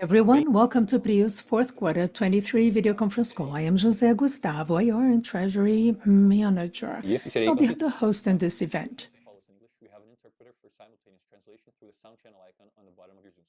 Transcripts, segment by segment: Everyone, welcome to Prio's fourth quarter 2023 video conference call. I am José Gustavo, IR and Treasury Manager. I'll be the host in this event. We have an interpreter for simultaneous translation through a sound channel icon on the bottom of your Zoom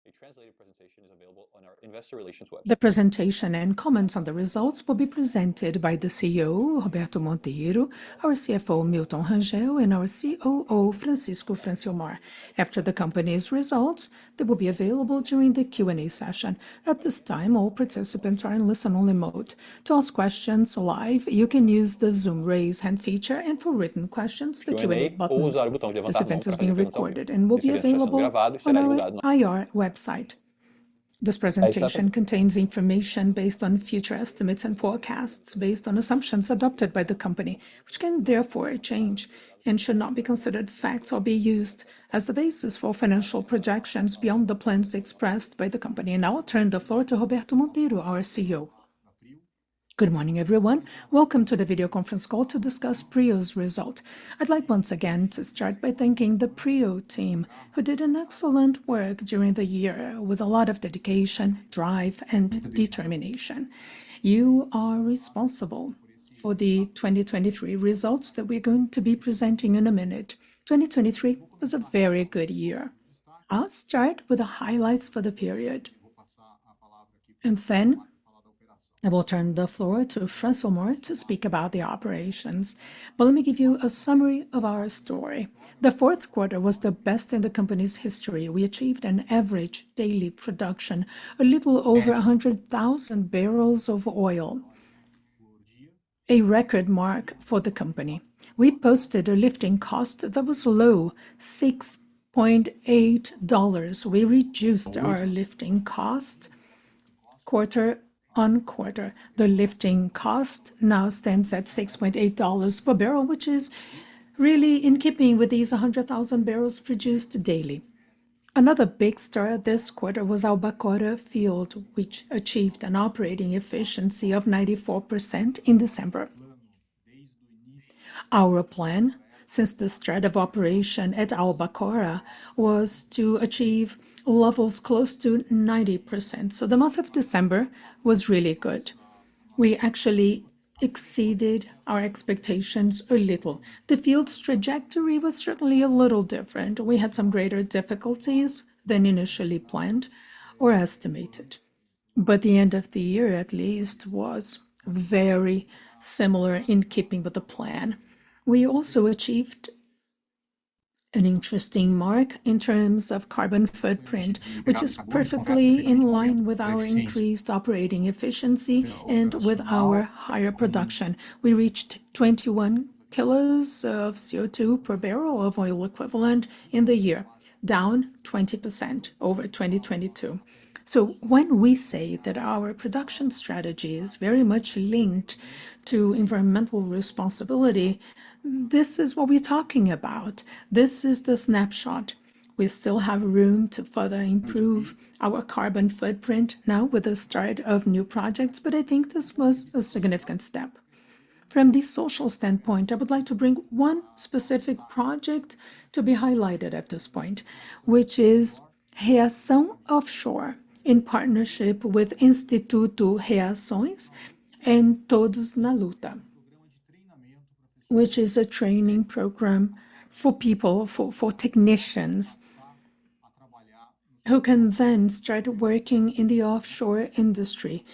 screen. A translated presentation is available on our investor relations website. The presentation and comments on the results will be presented by the CEO, Roberto Monteiro, our CFO, Milton Rangel, and our COO, Francisco Francilmar. After the company's results, they will be available during the Q&A session. At this time, all participants are in listen-only mode. To ask questions live, you can use the Zoom raise hand feature, and for written questions, the Q&A button. This event is being recorded and will be available on our IR website. This presentation contains information based on future estimates and forecasts based on assumptions adopted by the company, which can therefore change and should not be considered facts or be used as the basis for financial projections beyond the plans expressed by the company. Now I'll turn the floor to Roberto Monteiro, our CEO. Good morning, everyone. Welcome to the video conference call to discuss Prio's result. I'd like once again to start by thanking the Prio team, who did an excellent work during the year with a lot of dedication, drive, and determination. You are responsible for the 2023 results that we're going to be presenting in a minute. 2023 was a very good year. I'll start with the highlights for the period, and then I will turn the floor to Francimar to speak about the operations. But let me give you a summary of our story. The fourth quarter was the best in the company's history. We achieved an average daily production, a little over 100,000 barrels of oil, a record mark for the company. We posted a lifting cost that was low, $6.8. We reduced our lifting cost quarter-on-quarter. The lifting cost now stands at $6.8 per barrel, which is really in keeping with these 100,000 barrels produced daily. Another big star this quarter was Albacora Field, which achieved an operating efficiency of 94% in December. Our plan, since the start of operation at Albacora, was to achieve levels close to 90%, so the month of December was really good. We actually exceeded our expectations a little. The field's trajectory was certainly a little different. We had some greater difficulties than initially planned or estimated, but the end of the year, at least, was very similar in keeping with the plan. We also achieved an interesting mark in terms of carbon footprint, which is perfectly in line with our increased operating efficiency and with our higher production. We reached 21 kilos of CO2 per barrel of oil equivalent in the year, down 20% over 2022. So when we say that our production strategy is very much linked to environmental responsibility, this is what we're talking about. This is the snapshot. We still have room to further improve our carbon footprint now with the start of new projects, but I think this was a significant step. From the social standpoint, I would like to bring one specific project to be highlighted at this point, which is Reação Offshore, in partnership with Instituto Reação and Todos na Luta, which is a training program for people, for technicians, who can then start working in the offshore industry.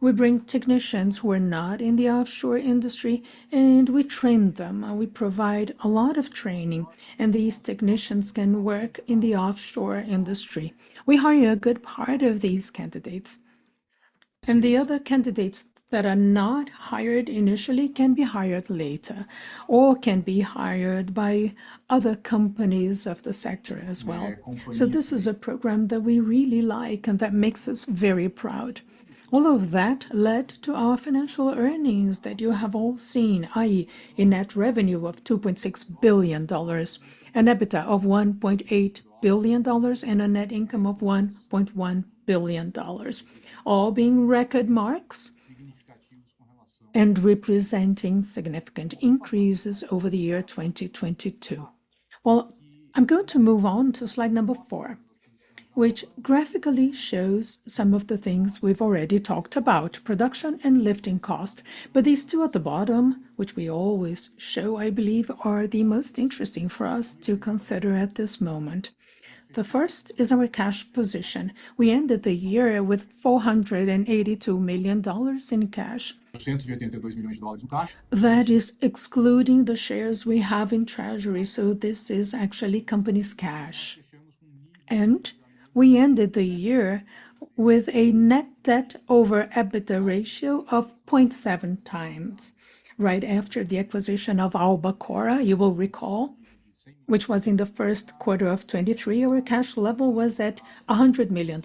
We bring technicians who are not in the offshore industry, and we train them, and we provide a lot of training, and these technicians can work in the offshore industry. We hire a good part of these candidates, and the other candidates that are not hired initially can be hired later or can be hired by other companies of the sector as well. So this is a program that we really like and that makes us very proud. All of that led to our financial earnings that you have all seen, i.e., a net revenue of $2.6 billion, an EBITDA of $1.8 billion, and a net income of $1.1 billion, all being record marks and representing significant increases over the year 2022. Well, I'm going to move on to Slide number 4, which graphically shows some of the things we've already talked about, production and lifting cost. But these two at the bottom, which we always show, I believe, are the most interesting for us to consider at this moment. The first is our cash position. We ended the year with $482 million in cash. That is excluding the shares we have in Treasury, so this is actually company's cash. And we ended the year with a net debt over EBITDA ratio of 0.7 times. Right after the acquisition of Albacora, you will recall, which was in the first quarter of 2023, our cash level was at $100 million,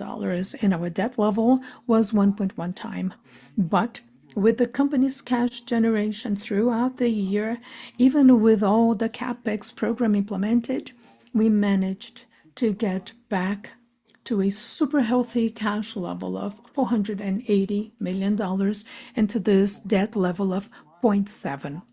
and our debt level was 1.1 times. But with the company's cash generation throughout the year, even with all the CapEx program implemented, we managed to get back to a super healthy cash level of $480 million, and to this debt level of 0.7.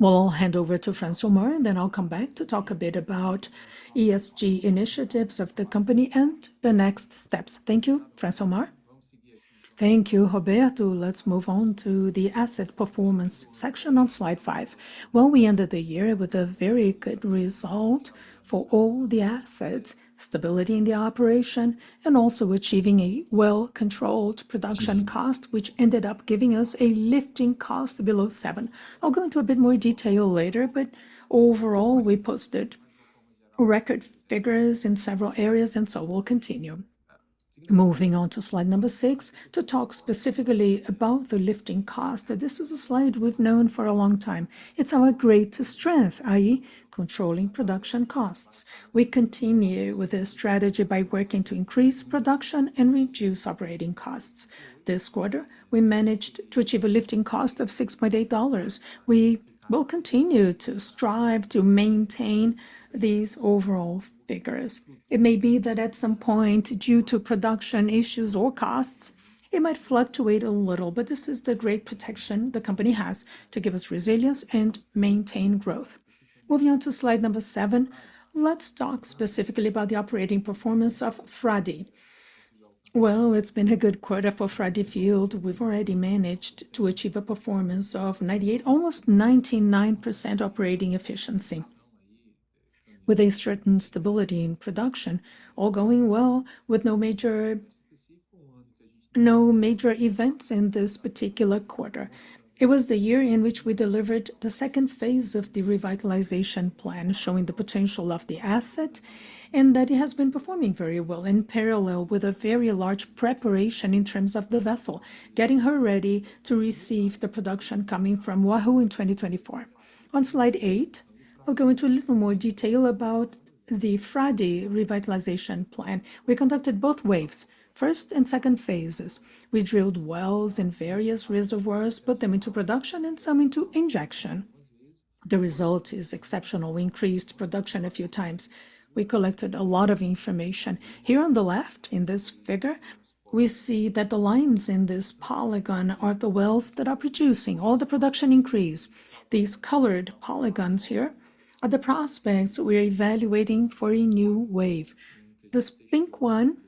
Well, I'll hand over to Francisco Mauro, and then I'll come back to talk a bit about ESG initiatives of the company and the next steps. Thank you. Francisco Mauro? Thank you, Roberto. Let's move on to the asset performance section on Slide 5. Well, we ended the year with a very good result for all the assets, stability in the operation, and also achieving a well-controlled production cost, which ended up giving us a lifting cost below $7. I'll go into a bit more detail later, but overall, we posted record figures in several areas, and so we'll continue. Moving on to Slide number 6, to talk specifically about the lifting cost. This is a slide we've known for a long time. It's our greatest strength, i.e., controlling production costs. We continue with this strategy by working to increase production and reduce operating costs. This quarter, we managed to achieve a lifting cost of $6.8. We will continue to strive to maintain these overall figures. It may be that at some point, due to production issues or costs, it might fluctuate a little, but this is the great protection the company has to give us resilience and maintain growth. Moving on to Slide number 7, let's talk specifically about the operating performance of Frade. Well, it's been a good quarter for Frade Field. We've already managed to achieve a performance of 98%, almost 99% operating efficiency, with a certain stability in production, all going well, with no major events in this particular quarter. It was the year in which we delivered the second phase of the revitalization plan, showing the potential of the asset, and that it has been performing very well, in parallel with a very large preparation in terms of the vessel, getting her ready to receive the production coming from Wahoo in 2024. On Slide 8, I'll go into a little more detail about the Frade revitalization plan. We conducted both waves, first and second phases. We drilled wells in various reservoirs, put them into production, and some into injection. The result is exceptional. We increased production a few times. We collected a lot of information. Here on the left, in this figure, we see that the lines in this polygon are the wells that are producing, all the production increase. These colored polygons here are the prospects we're evaluating for a new wave. This pink one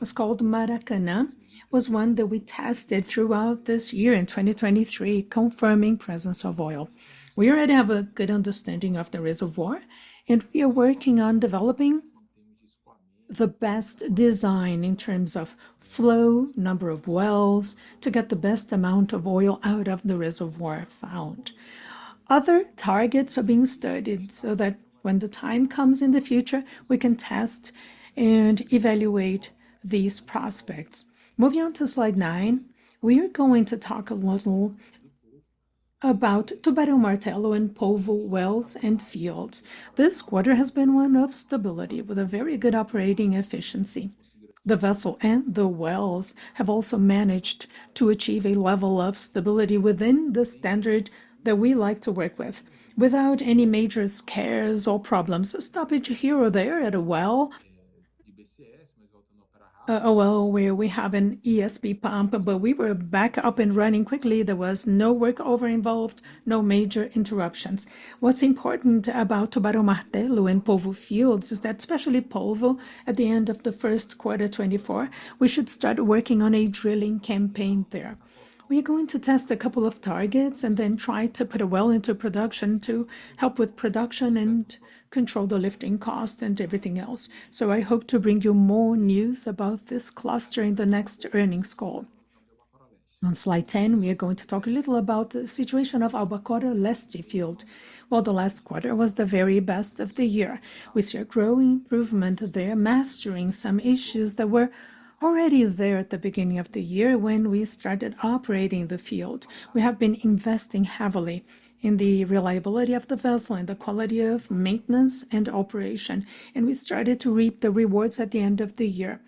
is called Maracanã, was one that we tested throughout this year in 2023, confirming presence of oil. We already have a good understanding of the reservoir, and we are working on developing the best design in terms of flow, number of wells, to get the best amount of oil out of the reservoir found. Other targets are being studied so that when the time comes in the future, we can test and evaluate these prospects. Moving on to Slide 9, we are going to talk a little about Tubarão Martelo and Polvo wells and fields. This quarter has been one of stability with a very good operating efficiency. The vessel and the wells have also managed to achieve a level of stability within the standard that we like to work with, without any major scares or problems. A stoppage here or there at a well, a well where we have an ESP pump, but we were back up and running quickly. There was no workover involved, no major interruptions. What's important about Tubarão Martelo and Polvo fields is that, especially Polvo, at the end of the first quarter 2024, we should start working on a drilling campaign there. We are going to test a couple of targets and then try to put a well into production to help with production and control the lifting cost and everything else. So I hope to bring you more news about this cluster in the next earnings call. On Slide 10, we are going to talk a little about the situation of Albacora Leste field. Well, the last quarter was the very best of the year. We see a growing improvement there, mastering some issues that were already there at the beginning of the year when we started operating the field. We have been investing heavily in the reliability of the vessel and the quality of maintenance and operation, and we started to reap the rewards at the end of the year.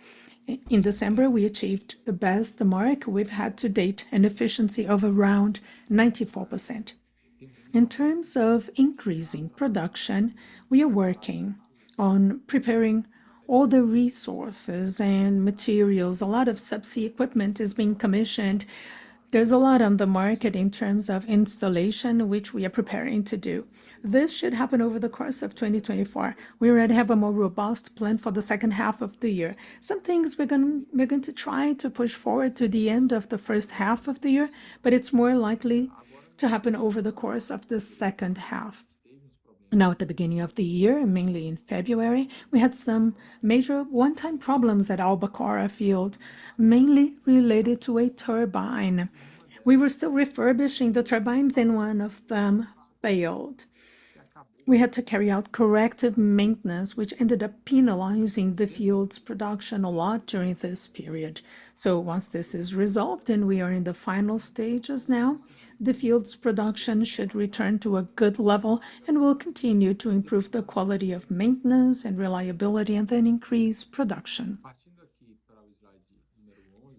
In December, we achieved the best mark we've had to date, an efficiency of around 94%. In terms of increasing production, we are working on preparing all the resources and materials. A lot of subsea equipment is being commissioned. There's a lot on the market in terms of installation, which we are preparing to do. This should happen over the course of 2024. We already have a more robust plan for the second half of the year. Some things we're going to try to push forward to the end of the first half of the year, but it's more likely to happen over the course of the second half. Now, at the beginning of the year, mainly in February, we had some major one-time problems at Albacora field, mainly related to a turbine. We were still refurbishing the turbines and one of them failed. We had to carry out corrective maintenance, which ended up penalizing the field's production a lot during this period. So once this is resolved, and we are in the final stages now, the field's production should return to a good level and will continue to improve the quality of maintenance and reliability, and then increase production.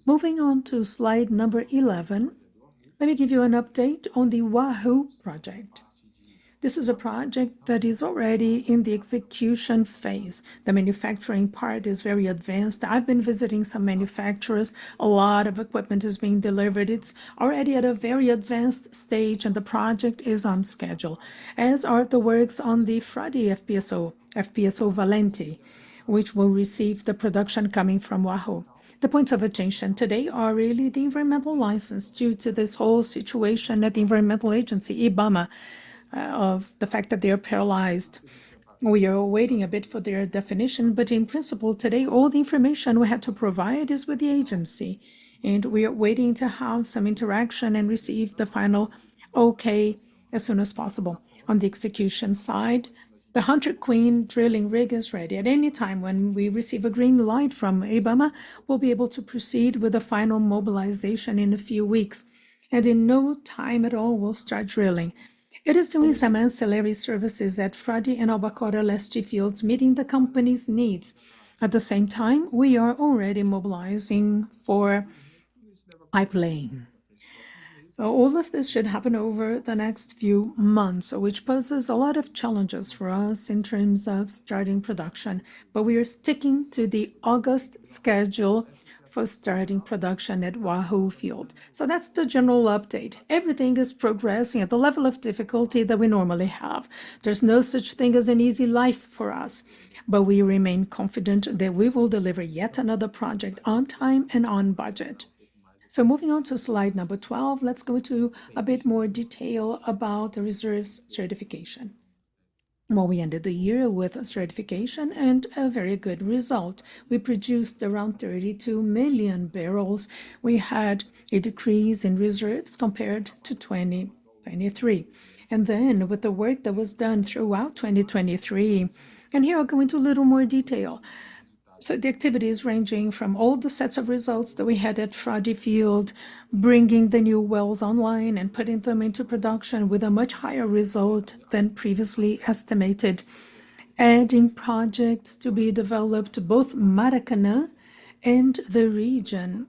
Moving on to Slide number 11, let me give you an update on the Wahoo project. This is a project that is already in the execution phase. The manufacturing part is very advanced. I've been visiting some manufacturers. A lot of equipment is being delivered. It's already at a very advanced stage, and the project is on schedule, as are the works on the Frade FPSO, FPSO Valente, which will receive the production coming from Wahoo. The points of attention today are really the environmental license, due to this whole situation at the environmental agency, IBAMA, of the fact that they are paralyzed. We are waiting a bit for their definition, but in principle, today, all the information we had to provide is with the agency, and we are waiting to have some interaction and receive the final okay as soon as possible. On the execution side, the Hunter Queen drilling rig is ready. At any time, when we receive a green light from IBAMA, we'll be able to proceed with the final mobilization in a few weeks, and in no time at all, we'll start drilling. It is doing some ancillary services at Frade Field and Albacora Leste Field, meeting the company's needs. At the same time, we are already mobilizing for pipe-laying. So all of this should happen over the next few months, so which poses a lot of challenges for us in terms of starting production, but we are sticking to the August schedule for starting production at Wahoo Field. So that's the general update. Everything is progressing at the level of difficulty that we normally have. There's no such thing as an easy life for us, but we remain confident that we will deliver yet another project on time and on budget. So moving on to Slide number 12, let's go into a bit more detail about the reserves certification. Well, we ended the year with a certification and a very good result. We produced around 32 million barrels. We had a decrease in reserves compared to 2023, and then with the work that was done throughout 2023, and here I'll go into a little more detail. So the activities ranging from all the sets of results that we had at Frade Field, bringing the new wells online and putting them into production with a much higher result than previously estimated. Adding projects to be developed, both Maracanã and the region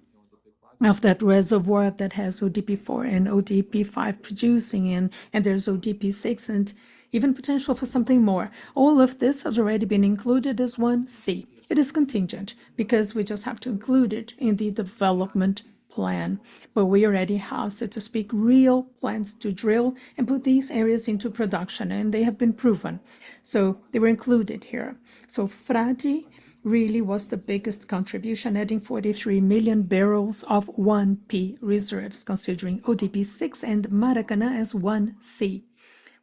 of that reservoir that has ODP-4 and ODP-5 producing and, and there's ODP-6 and even potential for something more. All of this has already been included as 1C. It is contingent because we just have to include it in the development plan, but we already have, so to speak, real plans to drill and put these areas into production, and they have been proven, so they were included here. So Frade really was the biggest contribution, adding 43 million barrels of 1P reserves, considering ODP-6 and Maracanã as 1C.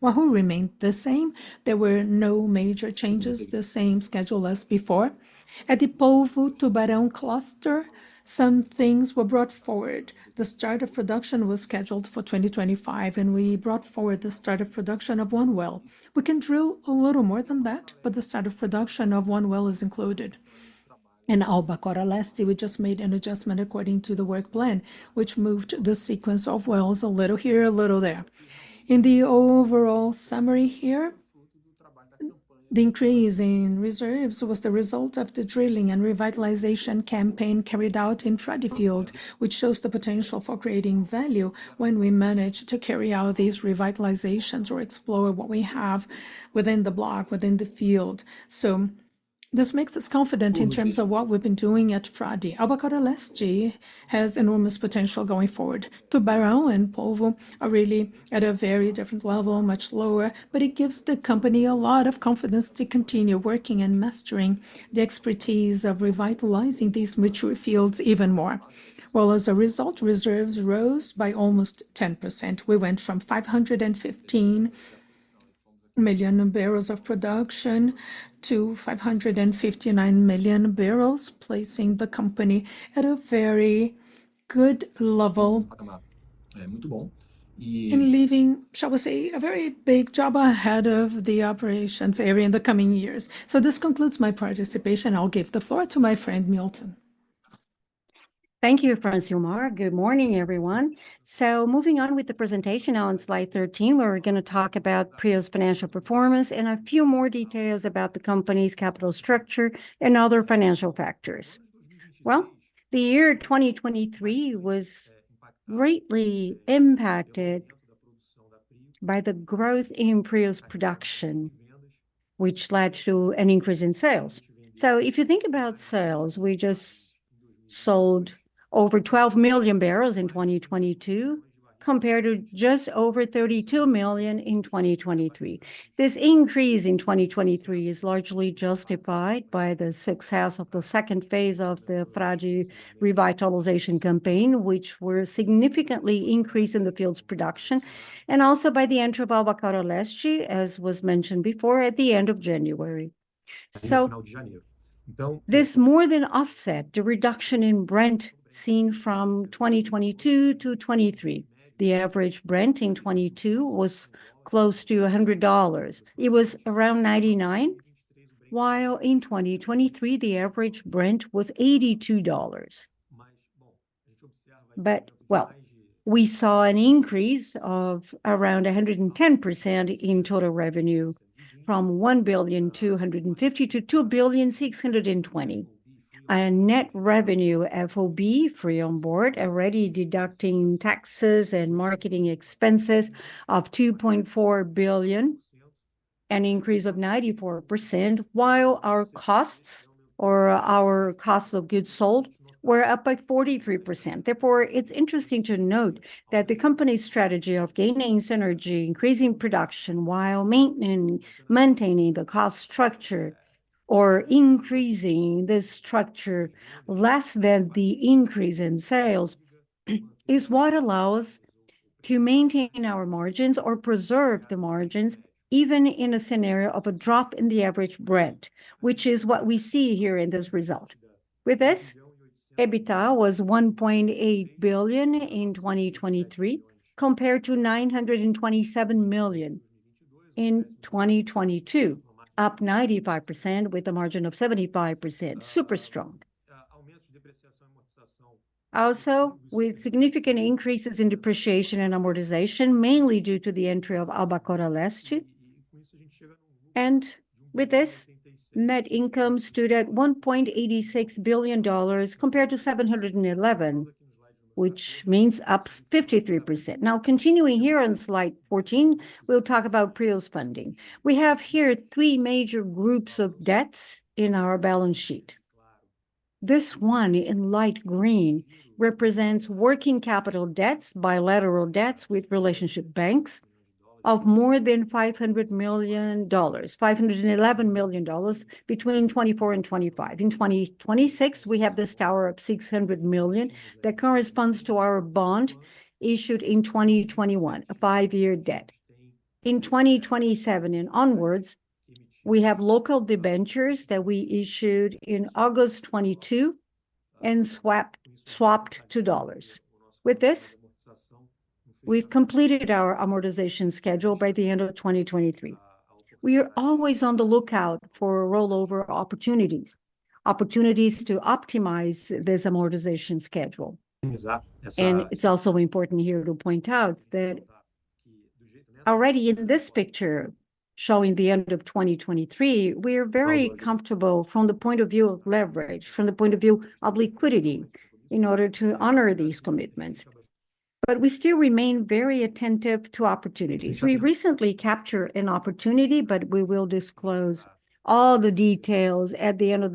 Wahoo remained the same. There were no major changes, the same schedule as before. At the Polvo Tubarão cluster, some things were brought forward. The start of production was scheduled for 2025, and we brought forward the start of production of one well. We can drill a little more than that, but the start of production of one well is included. In Albacora Leste, we just made an adjustment according to the work plan, which moved the sequence of wells a little here, a little there. In the overall summary here, the increase in reserves was the result of the drilling and revitalization campaign carried out in Frade Field, which shows the potential for creating value when we manage to carry out these revitalizations or explore what we have within the block, within the field. So this makes us confident in terms of what we've been doing at Frade. Albacora Leste has enormous potential going forward. Tubarão and Polvo are really at a very different level, much lower, but it gives the company a lot of confidence to continue working and mastering the expertise of revitalizing these mature fields even more. Well, as a result, reserves rose by almost 10%. We went from 515 million barrels of production to 559 million barrels, placing the company at a very good level- Very good. and leaving, shall we say, a very big job ahead of the operations area in the coming years. So this concludes my participation. I'll give the floor to my friend, Milton. Thank you, Francimar. Good morning, everyone. So moving on with the presentation, on Slide 13, we're gonna talk about Prio's financial performance and a few more details about the company's capital structure and other financial factors. Well, the year 2023 was greatly impacted by the growth in Prio's production, which led to an increase in sales. So if you think about sales, we just sold over 12 million barrels in 2022, compared to just over 32 million in 2023. This increase in 2023 is largely justified by the success of the second phase of the Frade revitalization campaign, which were significantly increase in the field's production, and also by the entry of Albacora Leste, as was mentioned before, at the end of January. So this more than offset the reduction in Brent, seen from 2022 to 2023. The average Brent in 2022 was close to $100. It was around $99, while in 2023, the average Brent was $82. But, well, we saw an increase of around 110% in total revenue, from $1.25 billion to $2.62 billion. And net revenue FOB, free on board, already deducting taxes and marketing expenses of $2.4 billion, an increase of 94%, while our costs, or our cost of goods sold, were up by 43%. Therefore, it's interesting to note that the company's strategy of gaining synergy, increasing production while maintaining the cost structure or increasing the structure less than the increase in sales, is what allows to maintain our margins or preserve the margins, even in a scenario of a drop in the average Brent, which is what we see here in this result. With this, EBITDA was $1.8 billion in 2023, compared to $927 million in 2022, up 95% with a margin of 75%. Super strong. Also, with significant increases in depreciation and amortization, mainly due to the entry of Albacora Leste. With this, net income stood at $1.86 billion, compared to $711 million, which means up 53%. Now, continuing here on Slide 14, we'll talk about PRIO's funding. We have here three major groups of debts in our balance sheet. This one in light green represents working capital debts, bilateral debts with relationship banks of more than $500 million, $511 million between 2024 and 2025. In 2026, we have this tower of $600 million that corresponds to our bond issued in 2021, a five-year debt. In 2027 and onwards, we have local debentures that we issued in August 2022 and swapped, swapped to dollars. With this, we've completed our amortization schedule by the end of 2023. We are always on the lookout for rollover opportunities, opportunities to optimize this amortization schedule. It's also important here to point out that already in this picture, showing the end of 2023, we are very comfortable from the point of view of leverage, from the point of view of liquidity, in order to honor these commitments, but we still remain very attentive to opportunities. We recently capture an opportunity, but we will disclose all the details at the end of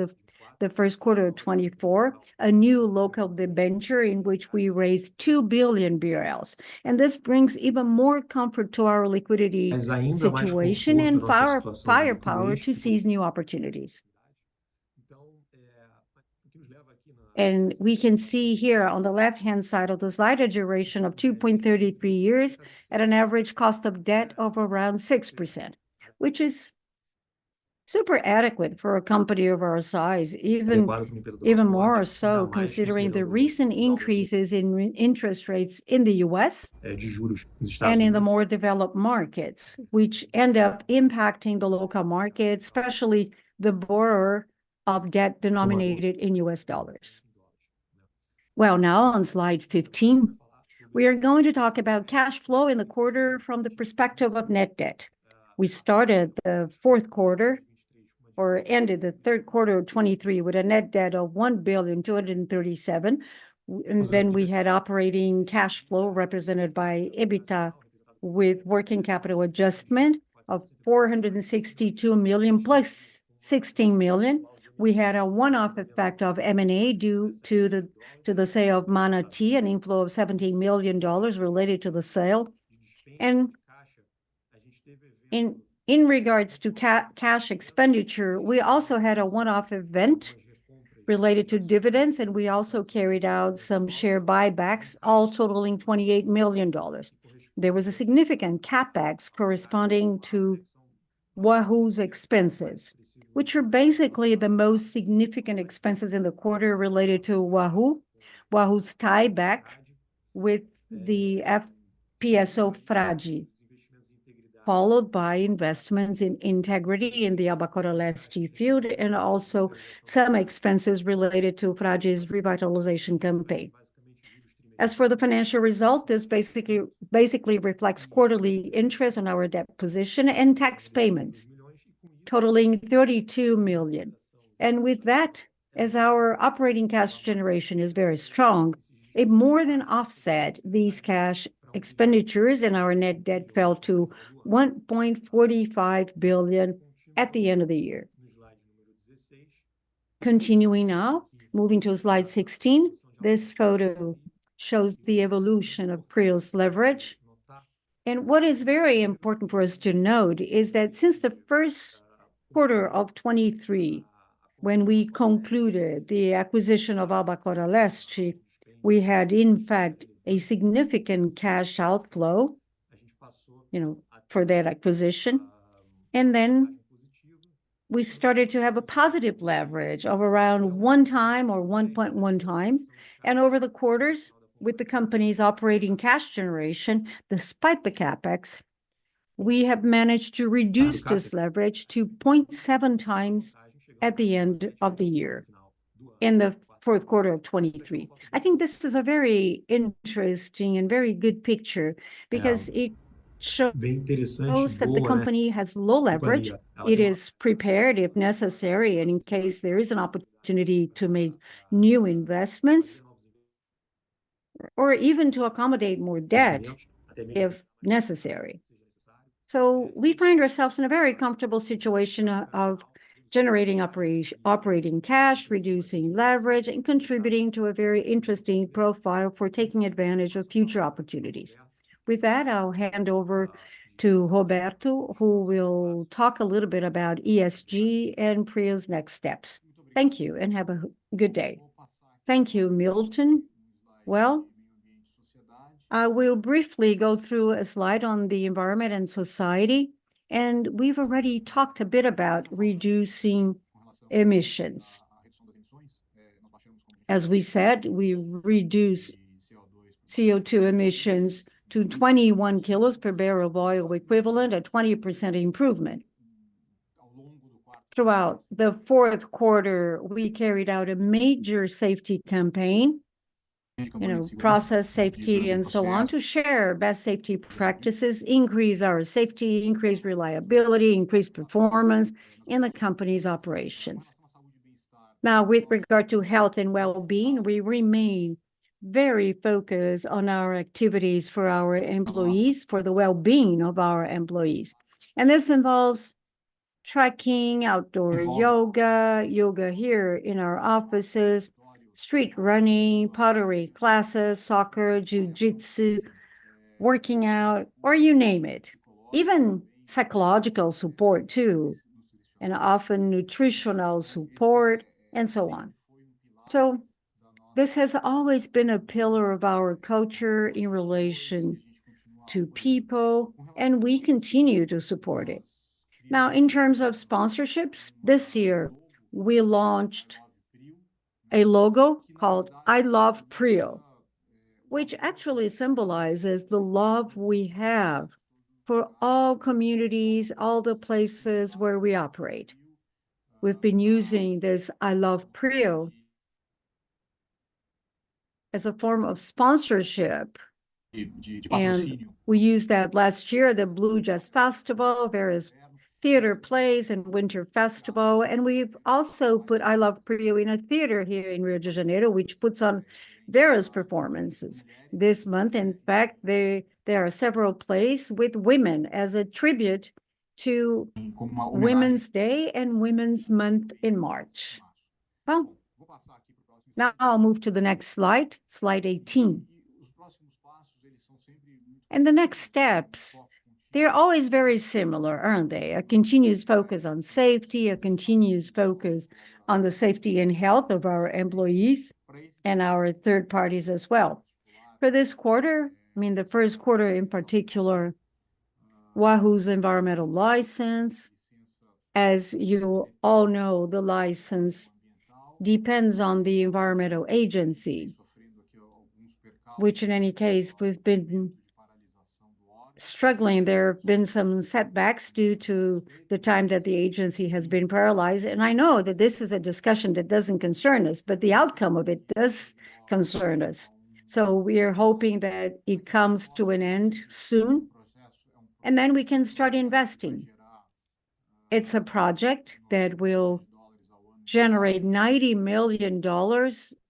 the first quarter of 2024, a new local debenture in which we raised 2 billion BRL. This brings even more comfort to our liquidity situation and firepower to seize new opportunities. We can see here on the left-hand side of the slide, a duration of 2.33 years, at an average cost of debt of around 6%, which is super adequate for a company of our size, even more so considering the recent increases in real interest rates in the US and in the more developed markets, which end up impacting the local market, especially the borrower of debt denominated in US dollars. Well, now on Slide 15, we are going to talk about cash flow in the quarter from the perspective of net debt. We started the fourth quarter, or ended the third quarter of 2023, with a net debt of $1.237 billion, and then we had operating cash flow, represented by EBITDA, with working capital adjustment of $462 million + $16 million. We had a one-off effect of M&A, due to the sale of Manati, an inflow of $17 million related to the sale. In regards to cash expenditure, we also had a one-off event related to dividends, and we also carried out some share buybacks, all totaling $28 million. There was a significant CapEx corresponding to Wahoo's expenses, which are basically the most significant expenses in the quarter related to Wahoo. Wahoo's tieback with the FPSO Frade, followed by investments in integrity in the Albacora Leste field, and also some expenses related to Frade's revitalization campaign. As for the financial result, this basically reflects quarterly interest on our debt position and tax payments totaling $32 million. With that, as our operating cash generation is very strong, it more than offset these cash expenditures, and our net debt fell to 1.45 billion at the end of the year. Continuing now, moving to Slide 16, this photo shows the evolution of PRIO's leverage. What is very important for us to note is that since the first quarter of 2023, when we concluded the acquisition of Albacora Leste, we had, in fact, a significant cash outflow, you know, for that acquisition, and then we started to have a positive leverage of around 1 time or 1.1 times. And over the quarters, with the company's operating cash generation, despite the CapEx, we have managed to reduce this leverage to 0.7 times at the end of the year, in the fourth quarter of 2023. I think this is a very interesting and very good picture, because it shows that the company has low leverage. It is prepared, if necessary, and in case there is an opportunity to make new investments, or even to accommodate more debt, if necessary. So we find ourselves in a very comfortable situation, of generating operating cash, reducing leverage, and contributing to a very interesting profile for taking advantage of future opportunities. With that, I'll hand over to Roberto, who will talk a little bit about ESG and Prio's next steps. Thank you, and have a good day. Thank you, Milton. Well, I will briefly go through a slide on the environment and society, and we've already talked a bit about reducing emissions. As we said, we've reduced CO2 emissions to 21 kilos per barrel of oil equivalent, a 20% improvement. Throughout the fourth quarter, we carried out a major safety campaign, you know, process safety and so on, to share best safety practices, increase our safety, increase reliability, increase performance in the company's operations. Now, with regard to health and wellbeing, we remain very focused on our activities for our employees, for the wellbeing of our employees, and this involves trekking, outdoor yoga, yoga here in our offices, street running, pottery classes, soccer, jujitsu, working out, or you name it. Even psychological support, too, and often nutritional support, and so on. So this has always been a pillar of our culture in relation to people, and we continue to support it. Now, in terms of sponsorships, this year we launched a logo called I Love Prio, which actually symbolizes the love we have for all communities, all the places where we operate. We've been using this I Love Prio as a form of sponsorship, and we used that last year, the Blues & Jazz Festival, various theater plays, and Winter Festival, and we've also put I Love Prio in a theater here in Rio de Janeiro, which puts on various performances. This month, in fact, there are several plays with women as a tribute to Women's Day and Women's Month in March. Well, now I'll move to the next slide, Slide 18. The next steps, they're always very similar, aren't they? A continuous focus on safety, a continuous focus on the safety and health of our employees, and our third parties as well. For this quarter, I mean, the first quarter in particular, Wahoo's environmental license, as you all know, the license depends on the environmental agency, which in any case, we've been struggling. There have been some setbacks due to the time that the agency has been paralyzed, and I know that this is a discussion that doesn't concern us, but the outcome of it does concern us. So we're hoping that it comes to an end soon, and then we can start investing. It's a project that will generate $90 million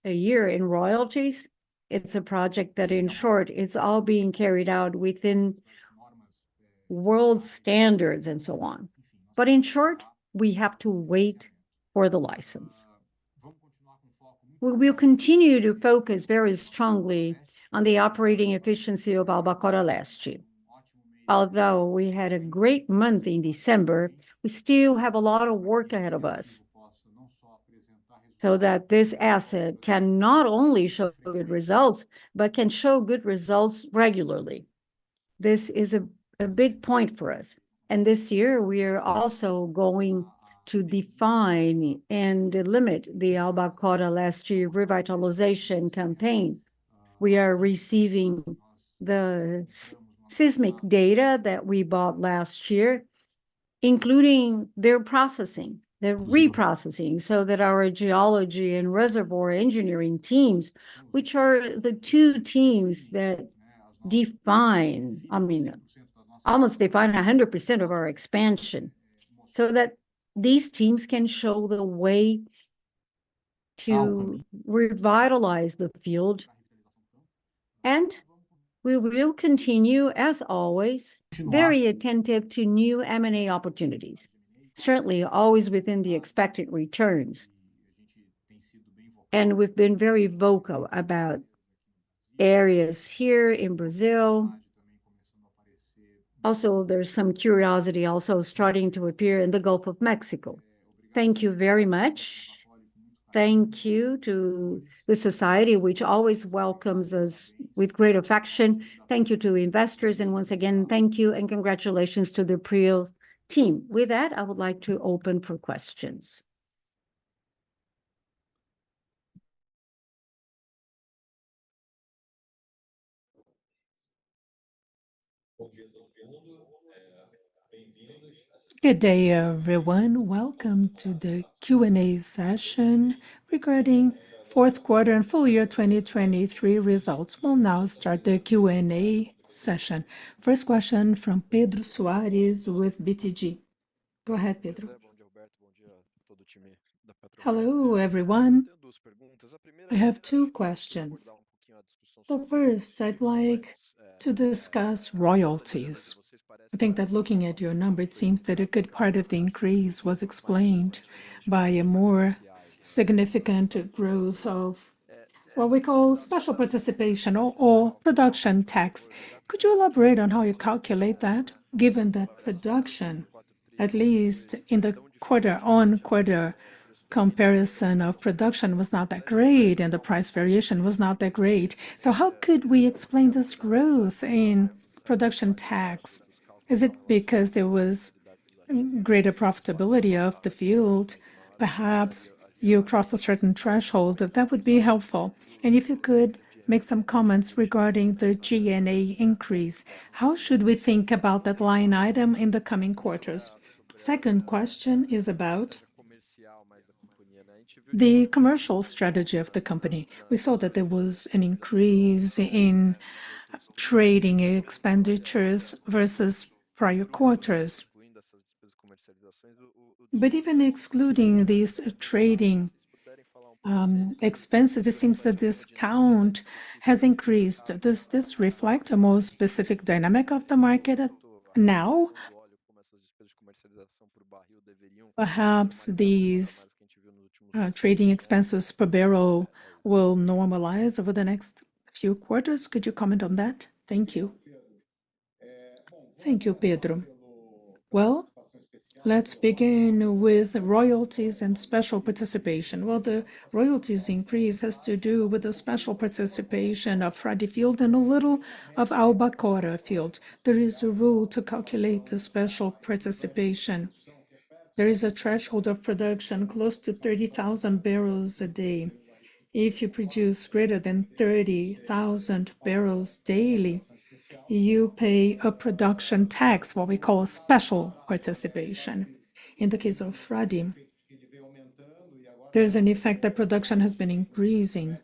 a year in royalties. It's a project that, in short, it's all being carried out within world standards and so on. But in short, we have to wait for the license. We will continue to focus very strongly on the operating efficiency of Albacora Leste. Although we had a great month in December, we still have a lot of work ahead of us, so that this asset can not only show good results, but can show good results regularly. This is a big point for us, and this year we're also going to define and delimit the Albacora Leste revitalization campaign. We are receiving the seismic data that we bought last year, including their processing, their reprocessing, so that our geology and reservoir engineering teams, which are the two teams that define, I mean, almost define 100% of our expansion, so that these teams can show the way to revitalize the field. And we will continue, as always, very attentive to new M&A opportunities, certainly always within the expected returns, and we've been very vocal about areas here in Brazil. Also, there's some curiosity also starting to appear in the Gulf of Mexico. Thank you very much. Thank you to the society, which always welcomes us with great affection. Thank you to the investors, and once again, thank you and congratulations to the Prio team. With that, I would like to open for questions. ... Good day, everyone. Welcome to the Q&A session regarding fourth quarter and full year 2023 results. We'll now start the Q&A session. First question from Pedro Soares with BTG. Go ahead, Pedro. Hello, everyone. I have two questions. So first, I'd like to discuss royalties. I think that looking at your number, it seems that a good part of the increase was explained by a more significant growth of what we call Special Participation or production tax. Could you elaborate on how you calculate that, given that production, at least in the quarter-on-quarter comparison of production, was not that great, and the price variation was not that great? So how could we explain this growth in production tax? Is it because there was greater profitability of the field? Perhaps you crossed a certain threshold. That would be helpful. And if you could make some comments regarding the G&A increase, how should we think about that line item in the coming quarters? Second question is about the commercial strategy of the company. We saw that there was an increase in trading expenditures versus prior quarters. But even excluding these trading expenses, it seems that discount has increased. Does this reflect a more specific dynamic of the market now? Perhaps these trading expenses per barrel will normalize over the next few quarters. Could you comment on that? Thank you. Thank you, Pedro. Well, let's begin with royalties and special participation. Well, the royalties increase has to do with the special participation of Frade Field and a little of Albacora Field. There is a rule to calculate the special participation. There is a threshold of production close to 30,000 barrels a day. If you produce greater than 30,000 barrels daily, you pay a production tax, what we call special participation. In the case of Frade, there's an effect that production has been increasing,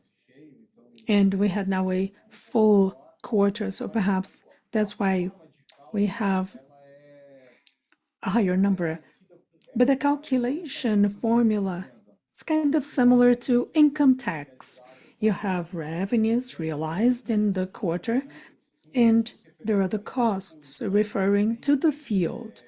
and we had now a full quarter, so perhaps that's why we have a higher number. But the calculation formula is kind of similar to income tax. You have revenues realized in the quarter, and there are the costs referring to the field.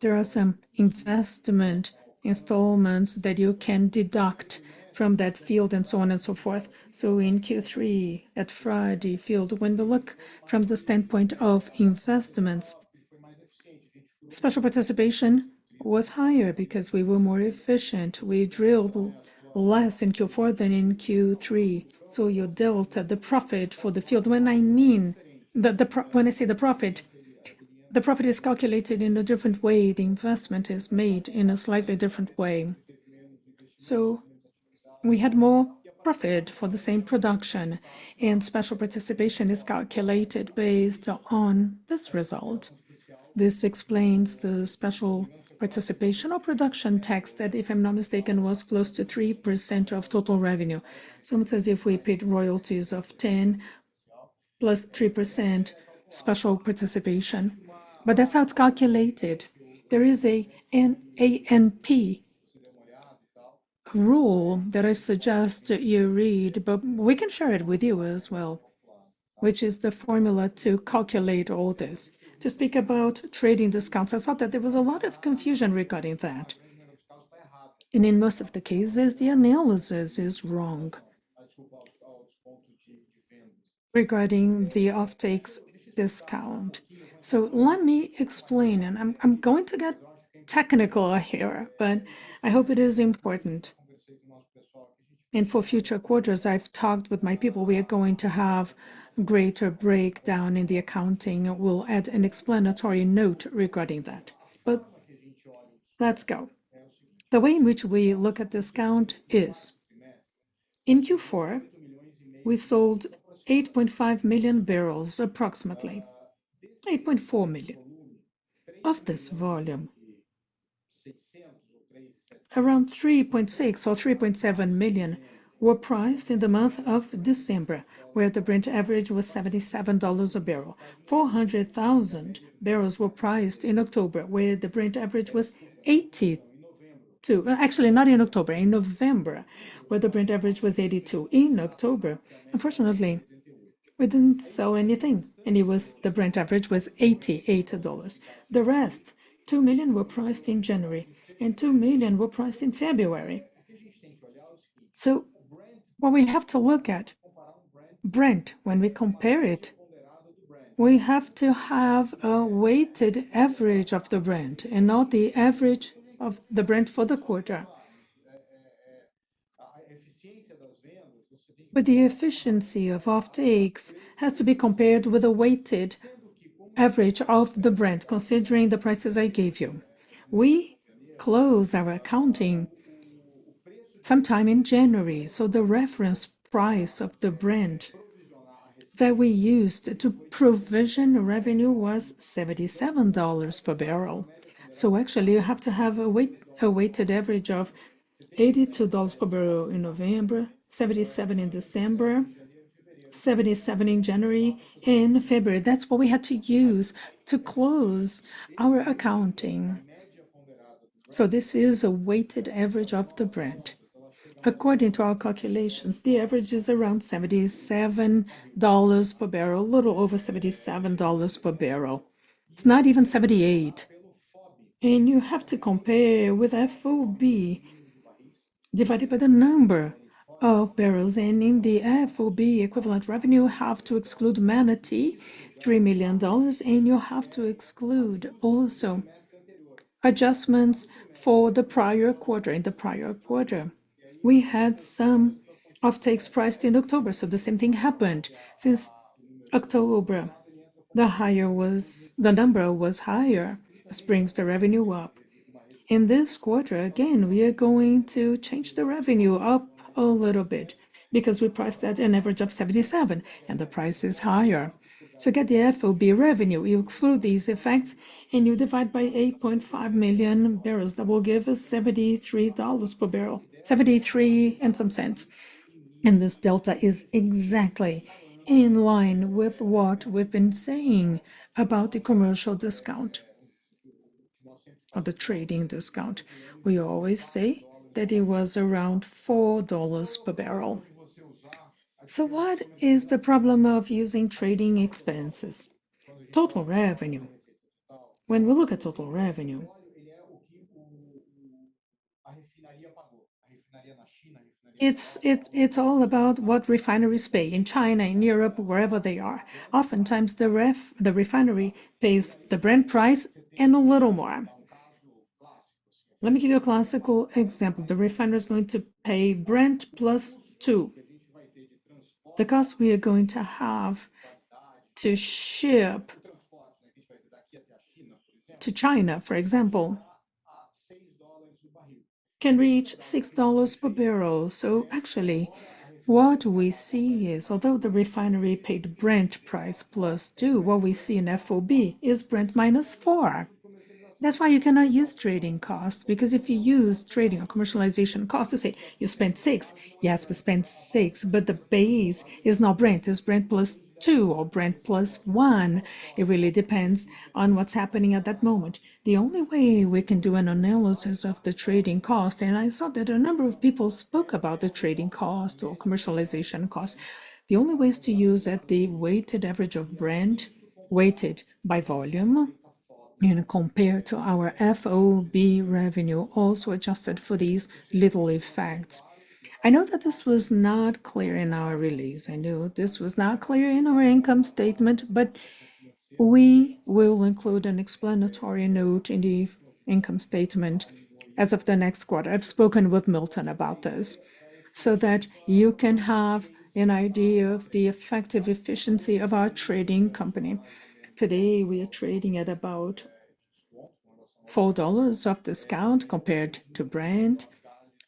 There are some investment installments that you can deduct from that field, and so on and so forth. So in Q3, at Frade Field, when we look from the standpoint of investments, special participation was higher because we were more efficient. We drilled less in Q4 than in Q3, so your delta, the profit for the field. When I say the profit, the profit is calculated in a different way. The investment is made in a slightly different way. So we had more profit for the same production, and Special Participation is calculated based on this result. This explains the Special Participation or production tax, that, if I'm not mistaken, was close to 3% of total revenue. So it's as if we paid royalties of 10% + 3% Special Participation, but that's how it's calculated. There is ANP rule that I suggest you read, but we can share it with you as well, which is the formula to calculate all this. To speak about trading discounts, I thought that there was a lot of confusion regarding that, and in most of the cases, the analysis is wrong regarding the offtakes discount. So let me explain, and I'm, I'm going to get technical here, but I hope it is important. For future quarters, I've talked with my people, we are going to have greater breakdown in the accounting. We'll add an explanatory note regarding that. Let's go. The way in which we look at discount is: in Q4, we sold 8.5 million barrels, approximately 8.4 million. Of this volume, around 3.6 or 3.7 million were priced in the month of December, where the Brent average was $77 a barrel. 400,000 barrels were priced in October, where the Brent average was $82. Actually, not in October, in November, where the Brent average was $82. In October, unfortunately, we didn't sell anything, and it was, the Brent average was $88. The rest, 2 million were priced in January, and 2 million were priced in February. So what we have to look at, Brent, when we compare it, we have to have a weighted average of the Brent and not the average of the Brent for the quarter. But the efficiency of offtakes has to be compared with a weighted average of the Brent, considering the prices I gave you. We close our accounting sometime in January, so the reference price of the Brent that we used to provision revenue was $77 per barrel. So actually, you have to have a weighted average of $82 per barrel in November, $77 in December, $77 in January and February. That's what we had to use to close our accounting. So this is a weighted average of the Brent. According to our calculations, the average is around $77 per barrel, a little over $77 per barrel. It's not even $78, and you have to compare with FOB, divided by the number of barrels. And in the FOB equivalent revenue, you have to exclude Manati, $3 million, and you have to exclude also adjustments for the prior quarter. In the prior quarter, we had some offtakes priced in October, so the same thing happened. Since October, the number was higher, this brings the revenue up. In this quarter, again, we are going to change the revenue up a little bit because we priced at an average of $77, and the price is higher. So get the FOB revenue, you include these effects, and you divide by 8.5 million barrels. That will give us $73 per barrel, $73 and some cents. This delta is exactly in line with what we've been saying about the commercial discount or the trading discount. We always say that it was around $4 per barrel. So what is the problem of using trading expenses? Total revenue. When we look at total revenue, it's all about what refineries pay in China, in Europe, wherever they are. Oftentimes, the refinery pays the Brent price and a little more. Let me give you a classical example: The refiner is going to pay Brent +$2. The cost we are going to have to ship to China, for example, can reach $6 per barrel. So actually, what we see is, although the refinery paid Brent price +$2, what we see in FOB is Brent -$4. That's why you cannot use trading costs, because if you use trading or commercialization costs, you say you spent $6. Yes, we spent $6, but the base is not Brent. It's Brent +2 or Brent +1. It really depends on what's happening at that moment. The only way we can do an analysis of the trading cost, and I saw that a number of people spoke about the trading cost or commercialization cost. The only way is to use the weighted average of Brent, weighted by volume, and compare to our FOB revenue, also adjusted for these little effects. I know that this was not clear in our release. I know this was not clear in our income statement, but we will include an explanatory note in the income statement as of the next quarter. I've spoken with Milton about this, so that you can have an idea of the effective efficiency of our trading company. Today, we are trading at about $4 of discount compared to Brent,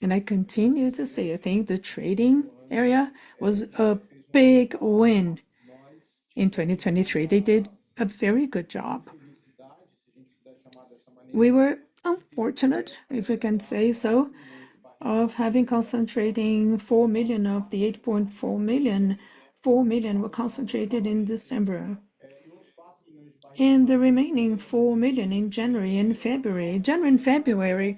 and I continue to say, I think the trading area was a big win in 2023. They did a very good job. We were unfortunate, if we can say so, of having concentrating 4 million of the 8.4 million. 4 million were concentrated in December, and the remaining 4 million in January and February. January and February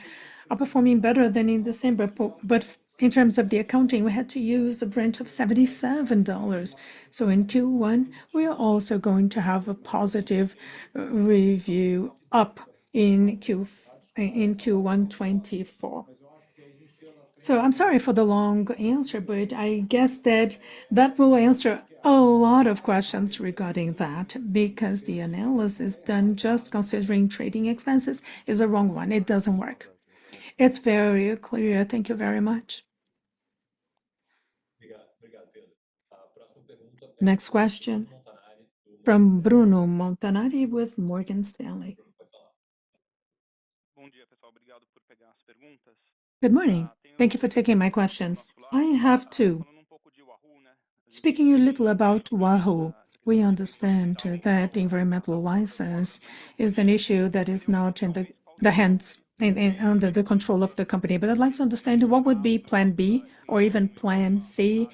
are performing better than in December, but in terms of the accounting, we had to use a Brent of $77. So in Q1, we are also going to have a positive review up in Q1 2024. I'm sorry for the long answer, but I guess that that will answer a lot of questions regarding that, because the analysis done just considering trading expenses is a wrong one. It doesn't work. It's very clear. Thank you very much. Next question from Bruno Montanari with Morgan Stanley. Good morning. Thank you for taking my questions. I have to... Speaking a little about Wahoo, we understand that the environmental license is an issue that is not in the, the hands and, and under the control of the company. But I'd like to understand what would be plan B or even plan C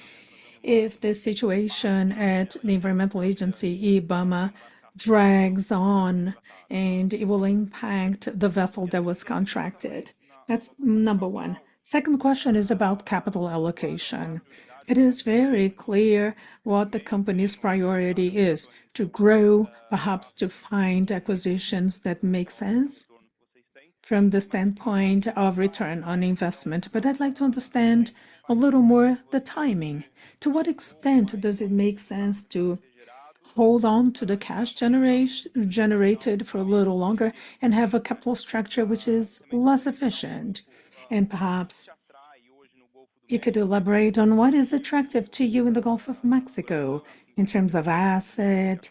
if this situation at the environmental agency, IBAMA, drags on and it will impact the vessel that was contracted. That's number one. Second question is about capital allocation. It is very clear what the company's priority is: to grow, perhaps to find acquisitions that make sense from the standpoint of return on investment. But I'd like to understand a little more the timing. To what extent does it make sense to hold on to the cash generated for a little longer and have a capital structure which is less efficient and perhaps... You could elaborate on what is attractive to you in the Gulf of Mexico in terms of asset,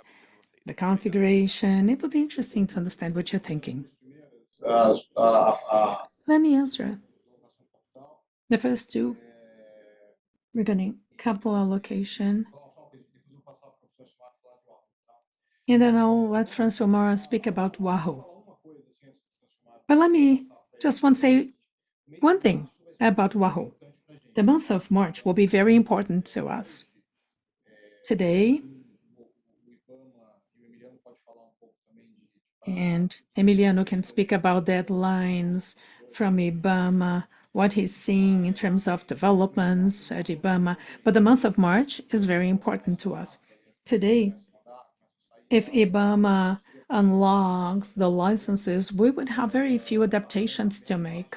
the configuration? It would be interesting to understand what you're thinking. Let me answer the first two regarding capital allocation, and then I'll let Francisco Mauro speak about Wahoo. But let me just want to say one thing about Wahoo. The month of March will be very important to us. Today, Emiliano can speak about deadlines from IBAMA, what he's seeing in terms of developments at IBAMA, but the month of March is very important to us. Today, if IBAMA unlocks the licenses, we would have very few adaptations to make.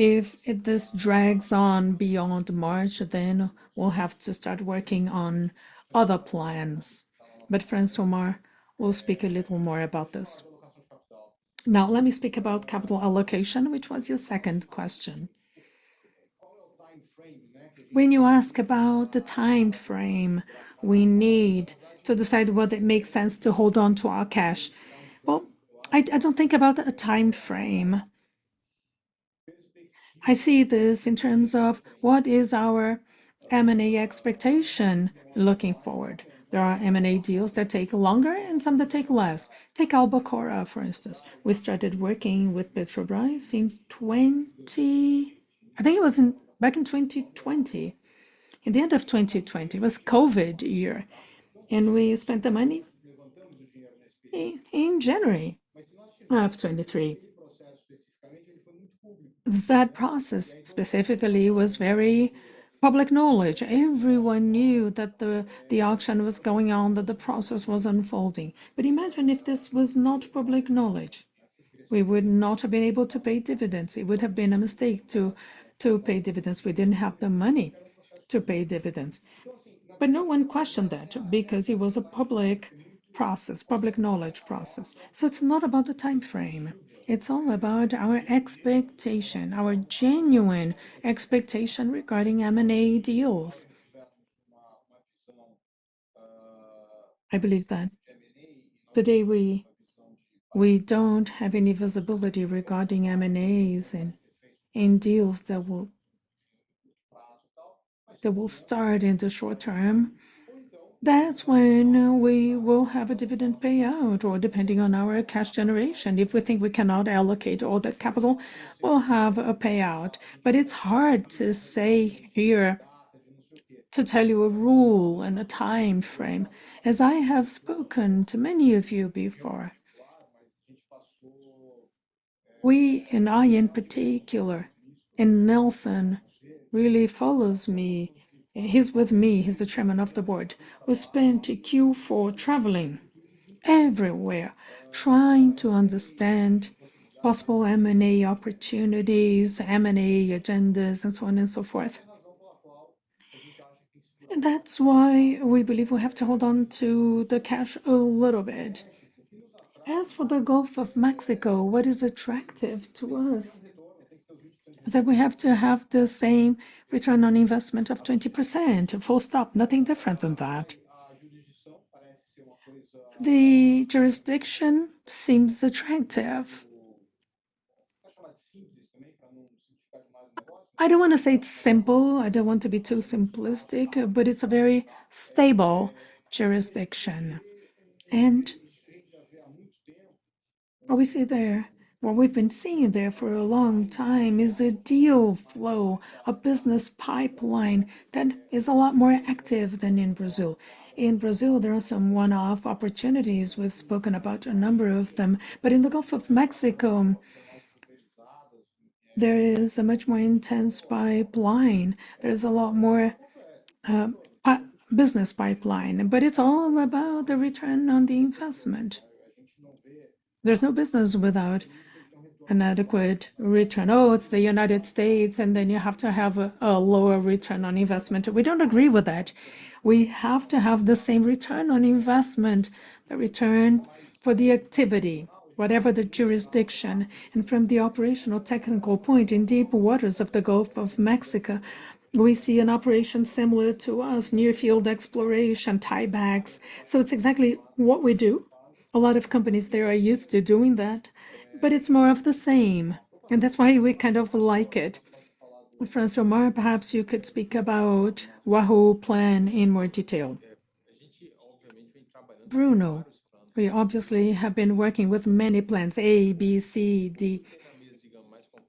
If this drags on beyond March, then we'll have to start working on other plans. But Francisco Mauro will speak a little more about this. Now, let me speak about capital allocation, which was your second question. When you ask about the time frame, we need to decide whether it makes sense to hold on to our cash. Well, I, I don't think about a time frame. I see this in terms of what is our M&A expectation looking forward. There are M&A deals that take longer and some that take less. Take Albacora, for instance. We started working with Petrobras in twenty... I think it was in, back in 2020. In the end of 2020, it was COVID year, and we spent the money in, in January of 2023. That process, specifically, was very public knowledge. Everyone knew that the, the auction was going on, that the process was unfolding. But imagine if this was not public knowledge, we would not have been able to pay dividends. It would have been a mistake to, to pay dividends. We didn't have the money to pay dividends, but no one questioned that because it was a public process, public knowledge process. So it's not about the time frame, it's all about our expectation, our genuine expectation regarding M&A deals. I believe that today we, we don't have any visibility regarding M&As and, and deals that will, that will start in the short term. That's when we will have a dividend payout, or depending on our cash generation, if we think we cannot allocate all that capital, we'll have a payout. But it's hard to say here, to tell you a rule and a time frame, as I have spoken to many of you before. We, and I in particular, and Nelson really follows me, and he's with me, he's the Chairman of the Board. We spent Q4 traveling everywhere, trying to understand possible M&A opportunities, M&A agendas, and so on and so forth. And that's why we believe we have to hold on to the cash a little bit. As for the Gulf of Mexico, what is attractive to us is that we have to have the same return on investment of 20%, full stop. Nothing different than that. The jurisdiction seems attractive. I don't want to say it's simple, I don't want to be too simplistic, but it's a very stable jurisdiction, and what we see there, what we've been seeing there for a long time, is a deal flow, a business pipeline that is a lot more active than in Brazil. In Brazil, there are some one-off opportunities. We've spoken about a number of them, but in the Gulf of Mexico, there is a much more intense pipeline. There is a lot more, business pipeline, but it's all about the return on the investment. There's no business without an adequate return. "Oh, it's the United States, and then you have to have a lower return on investment." We don't agree with that. We have to have the same return on the investment, the return for the activity, whatever the jurisdiction. From the operational technical point, in deep waters of the Gulf of Mexico, we see an operation similar to ours, near field exploration, tiebacks. So it's exactly what we do. A lot of companies there are used to doing that, but it's more of the same, and that's why we kind of like it. Francisco Mauro, perhaps you could speak about Wahoo plan in more detail. Bruno, we obviously have been working with many plans: A, B, C, D,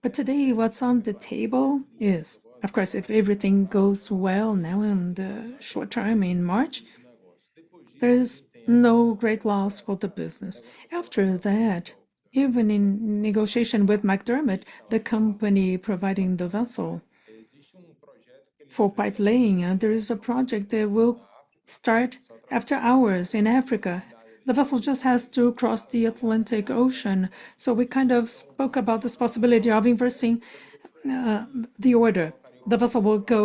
but today, what's on the table is, of course, if everything goes well now in the short term, in March, there is no great loss for the business. After that, even in negotiation with McDermott, the company providing the vessel for pipelaying, there is a project that will start after ours in Africa. The vessel just has to cross the Atlantic Ocean. So we kind of spoke about this possibility of inverting the order. The vessel will go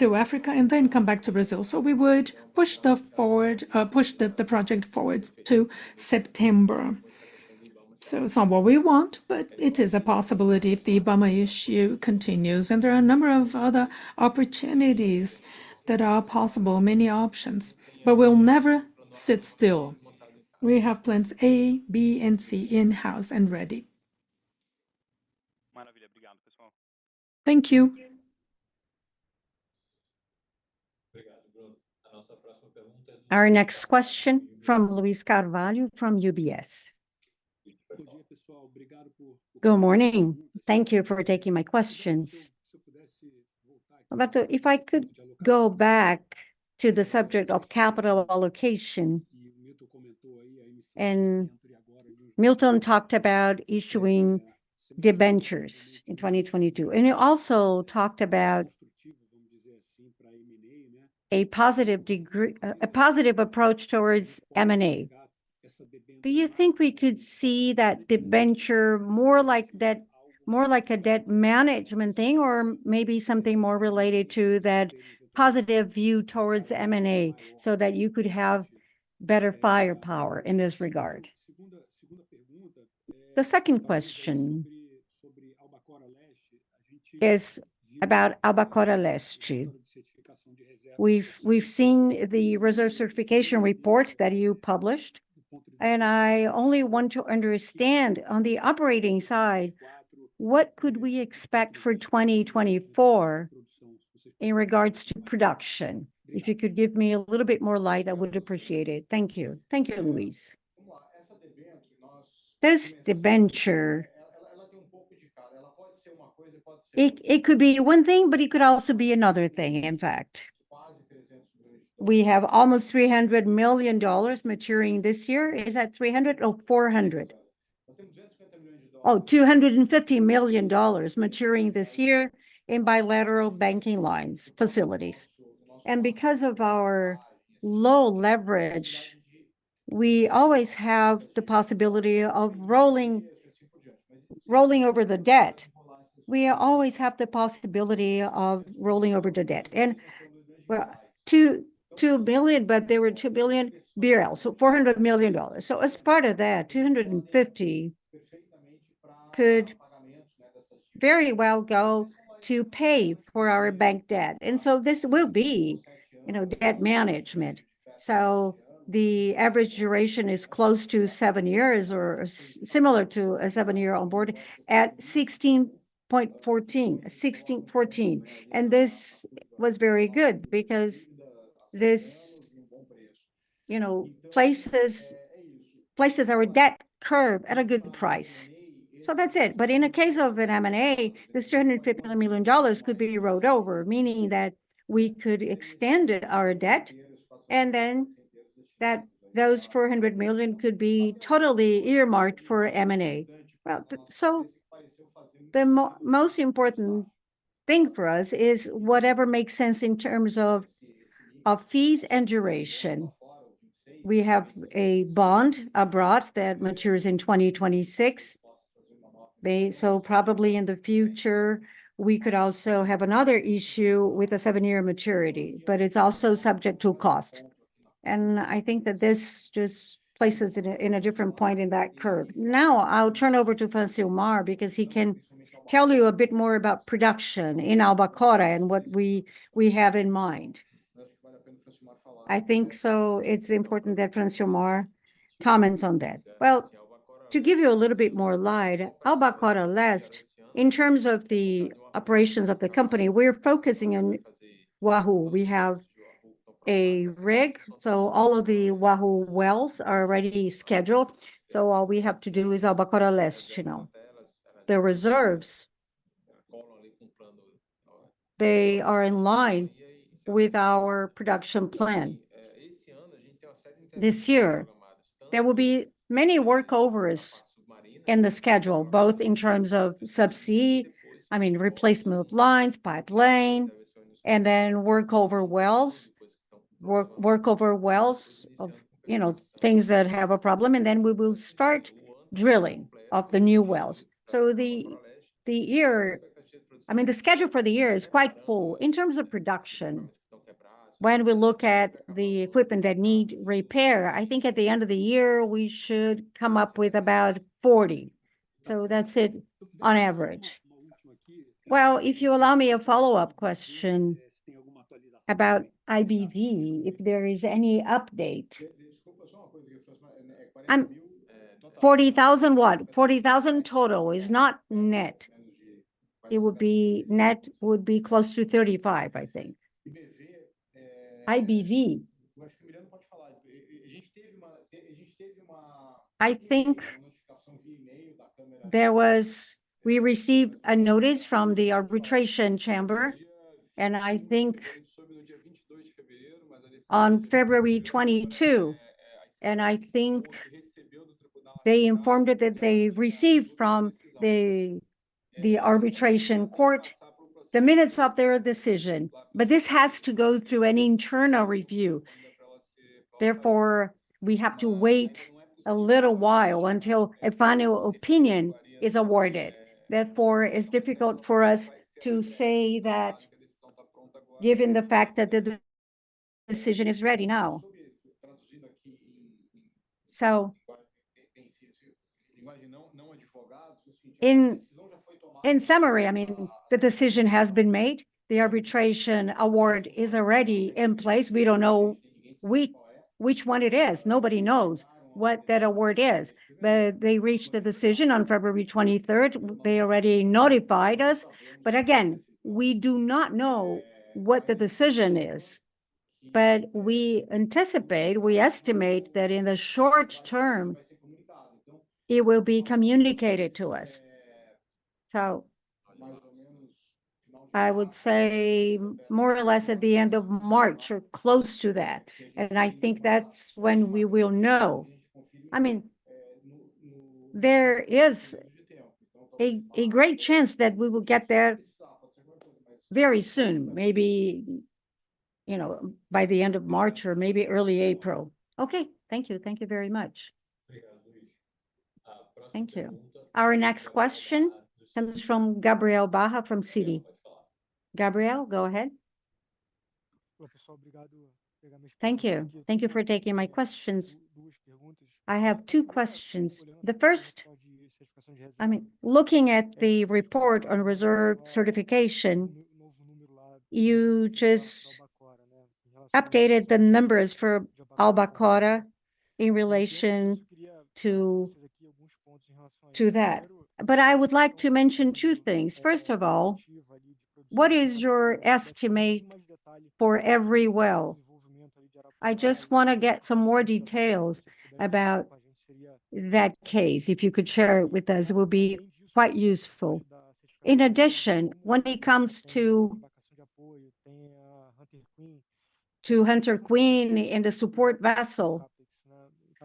to Africa and then come back to Brazil, so we would push the project forward to September. ... So it's not what we want, but it is a possibility if the IBAMA issue continues. And there are a number of other opportunities that are possible, many options, but we'll never sit still. We have plans A, B, and C in-house and ready. Thank you. Our next question from Luiz Carvalho from UBS. Good morning. Thank you for taking my questions. But if I could go back to the subject of capital allocation, and Milton talked about issuing debentures in 2022, and you also talked about a positive degree- a positive approach towards M&A. Do you think we could see that debenture more like that, more like a debt management thing, or maybe something more related to that positive view towards M&A, so that you could have better firepower in this regard? The second question is about Albacora Leste. We've seen the reserve certification report that you published, and I only want to understand, on the operating side, what could we expect for 2024 in regards to production? If you could give me a little bit more light, I would appreciate it. Thank you. Thank you, Luis. This debenture, it could be one thing, but it could also be another thing, in fact. We have almost $300 million maturing this year. Is that $300 million or $400 million? Oh, $250 million maturing this year in bilateral banking lines facilities. And because of our low leverage, we always have the possibility of rolling over the debt. We always have the possibility of rolling over the debt. And, well, 2 billion, but there were 2 billion, so $400 million. So as part of that, 250 could very well go to pay for our bank debt, and so this will be, you know, debt management. So the average duration is close to seven years or similar to a seven-year onboard at 16.14, 16.14, and this was very good because this, you know, places our debt curve at a good price. So that's it. But in the case of an M&A, this $250 million could be rolled over, meaning that we could extend it, our debt, and then those $400 million could be totally earmarked for M&A. Well, so the most important thing for us is whatever makes sense in terms of, of fees and duration. We have a bond abroad that matures in 2026. They... So probably in the future, we could also have another issue with a seven-year maturity, but it's also subject to cost. And I think that this just places it in a different point in that curve. Now, I'll turn over to Francilmar because he can tell you a bit more about production in Albacora and what we, we have in mind. I think so it's important that Francilmar comments on that. Well, to give you a little bit more light, Albacora Leste, in terms of the operations of the company, we're focusing on Wahoo. We have a rig, so all of the Wahoo wells are already scheduled, so all we have to do is Albacora Leste, you know. The reserves, they are in line with our production plan. This year, there will be many workovers in the schedule, both in terms of subsea, I mean, replacement of lines, pipeline, and then workover wells, you know, things that have a problem, and then we will start drilling of the new wells. So the year, I mean, the schedule for the year is quite full. In terms of production, when we look at the equipment that need repair, I think at the end of the year, we should come up with about 40. So that's it on average. Well, if you allow me a follow-up question about IBAMA, if there is any update? Forty thousand what? Forty thousand total, it's not net. It would be... Net would be close to 35, I think. IBAMA? I think there was... We received a notice from the arbitration chamber, and I think on February 22, and I think they informed us that they received from the arbitration court the minutes of their decision, but this has to go through an internal review. Therefore, we have to wait a little while until a final opinion is awarded. Therefore, it's difficult for us to say that given the fact that the decision is ready now. So, in summary, I mean, the decision has been made. The arbitration award is already in place. We don't know which one it is. Nobody knows what that award is, but they reached the decision on February 23rd. They already notified us. But again, we do not know what the decision is, but we anticipate, we estimate that in the short term, it will be communicated to us. So I would say more or less at the end of March or close to that, and I think that's when we will know. I mean, there is a great chance that we will get there very soon, maybe, you know, by the end of March or maybe early April. Okay, thank you. Thank you very much. Thank you. Our next question comes from Gabriel Barra from Citi. Gabriel, go ahead. Thank you. Thank you for taking my questions. I have two questions. The first, I mean, looking at the report on reserve certification, you just updated the numbers for Albacora in relation to, to that. But I would like to mention two things. First of all, what is your estimate for every well? I just want to get some more details about that case. If you could share it with us, it would be quite useful. In addition, when it comes to, to Hunter Queen and the support vessel,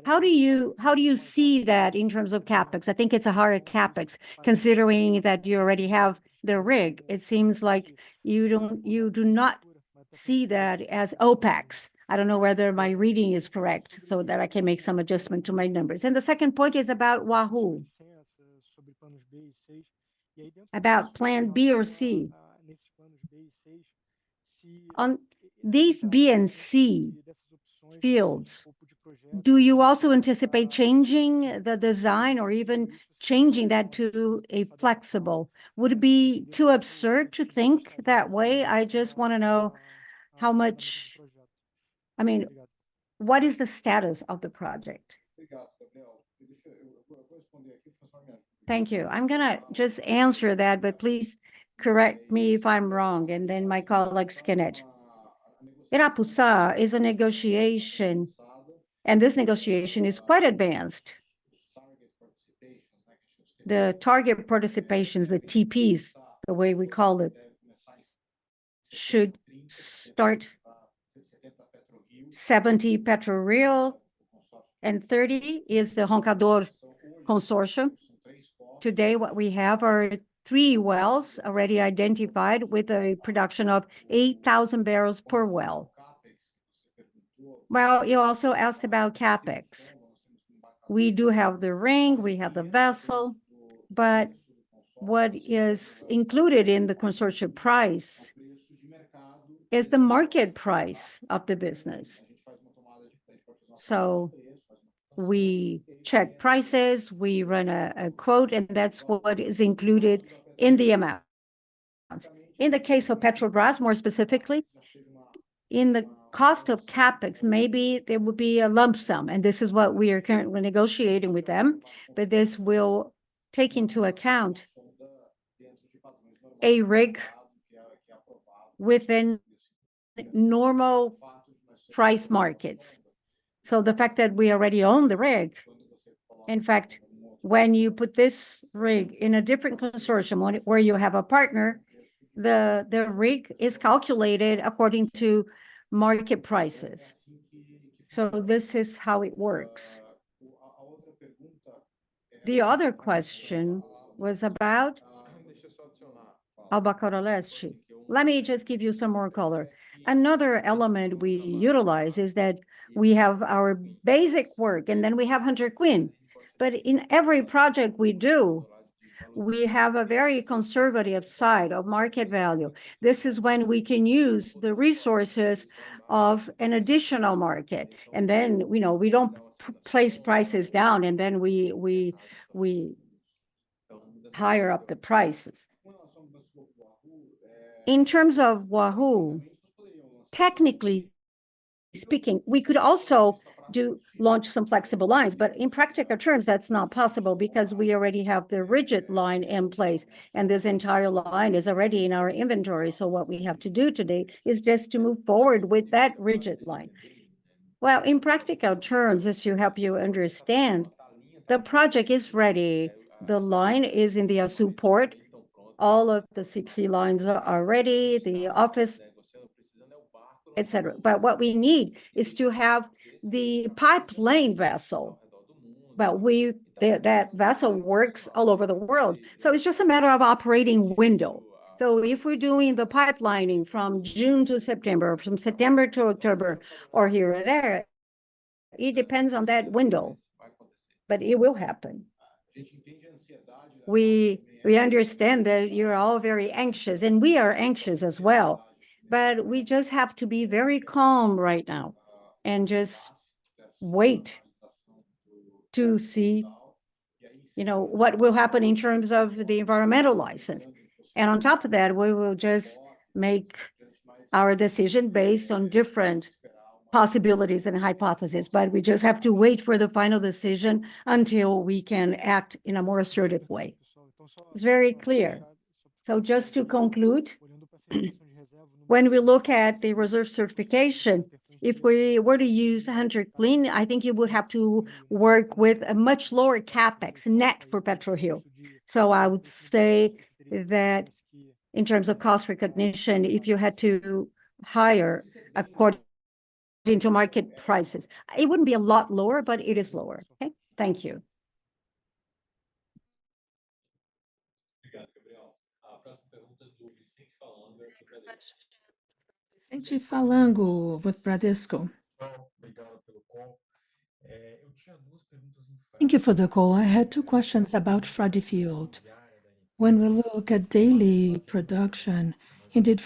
how do you, how do you see that in terms of CapEx? I think it's a hard CapEx, considering that you already have the rig. It seems like you don't, you do not see that as OpEx. I don't know whether my reading is correct, so that I can make some adjustment to my numbers. And the second point is about Wahoo, about plan B or C. On these B and C fields, do you also anticipate changing the design or even changing that to a flexible? Would it be too absurd to think that way? I just want to know how much... I mean, what is the status of the project? Thank you. I'm going to just answer that, but please correct me if I'm wrong, and then my colleague Skinet. Itaipu is a negotiation, and this negotiation is quite advanced. The target participations, the TPs, the way we call it, should start 70% Petrobras and 30% is the Roncador Consortium. Today, what we have are 3 wells already identified with a production of 8,000 barrels per well. Well, you also asked about CapEx. We do have the rig, we have the vessel, but what is included in the consortium price is the market price of the business. So we check prices, we run a quote, and that's what is included in the amount. In the case of Petrobras, more specifically, in the cost of CapEx, maybe there will be a lump sum, and this is what we are currently negotiating with them, but this will take into account a rig within normal price markets. So the fact that we already own the rig, in fact, when you put this rig in a different consortium where you have a partner, the rig is calculated according to market prices. So this is how it works. The other question was about Albacora Leste. Let me just give you some more color. Another element we utilize is that we have our basic work, and then we have Hunter Queen. But in every project we do, we have a very conservative side of market value. This is when we can use the resources of an additional market, and then, you know, we don't place prices down, and then we higher up the prices. In terms of Wahoo, technically speaking, we could also do... launch some flexible lines, but in practical terms, that's not possible because we already have the rigid line in place, and this entire line is already in our inventory. So what we have to do today is just to move forward with that rigid line. Well, in practical terms, just to help you understand, the project is ready. The line is in the Açu port. All of the CP lines are ready, the office, et cetera. But what we need is to have the pipe-laying vessel, but that vessel works all over the world, so it's just a matter of operating window. So if we're doing the pipe-laying from June to September, from September to October, or here or there-... It depends on that window, but it will happen. We understand that you're all very anxious, and we are anxious as well, but we just have to be very calm right now, and just wait to see, you know, what will happen in terms of the environmental license. And on top of that, we will just make our decision based on different possibilities and hypotheses, but we just have to wait for the final decision until we can act in a more assertive way. It's very clear. So just to conclude, when we look at the reserve certification, if we were to use 100 clean, I think you would have to work with a much lower CapEx net for Petrobras. I would say that in terms of cost recognition, if you had to hire according to market prices, it wouldn't be a lot lower, but it is lower. Okay? Thank you. Vicente Falanga with Bradesco. Thank you for the call. I had two questions about Frade Field. When we look at daily production, indeed,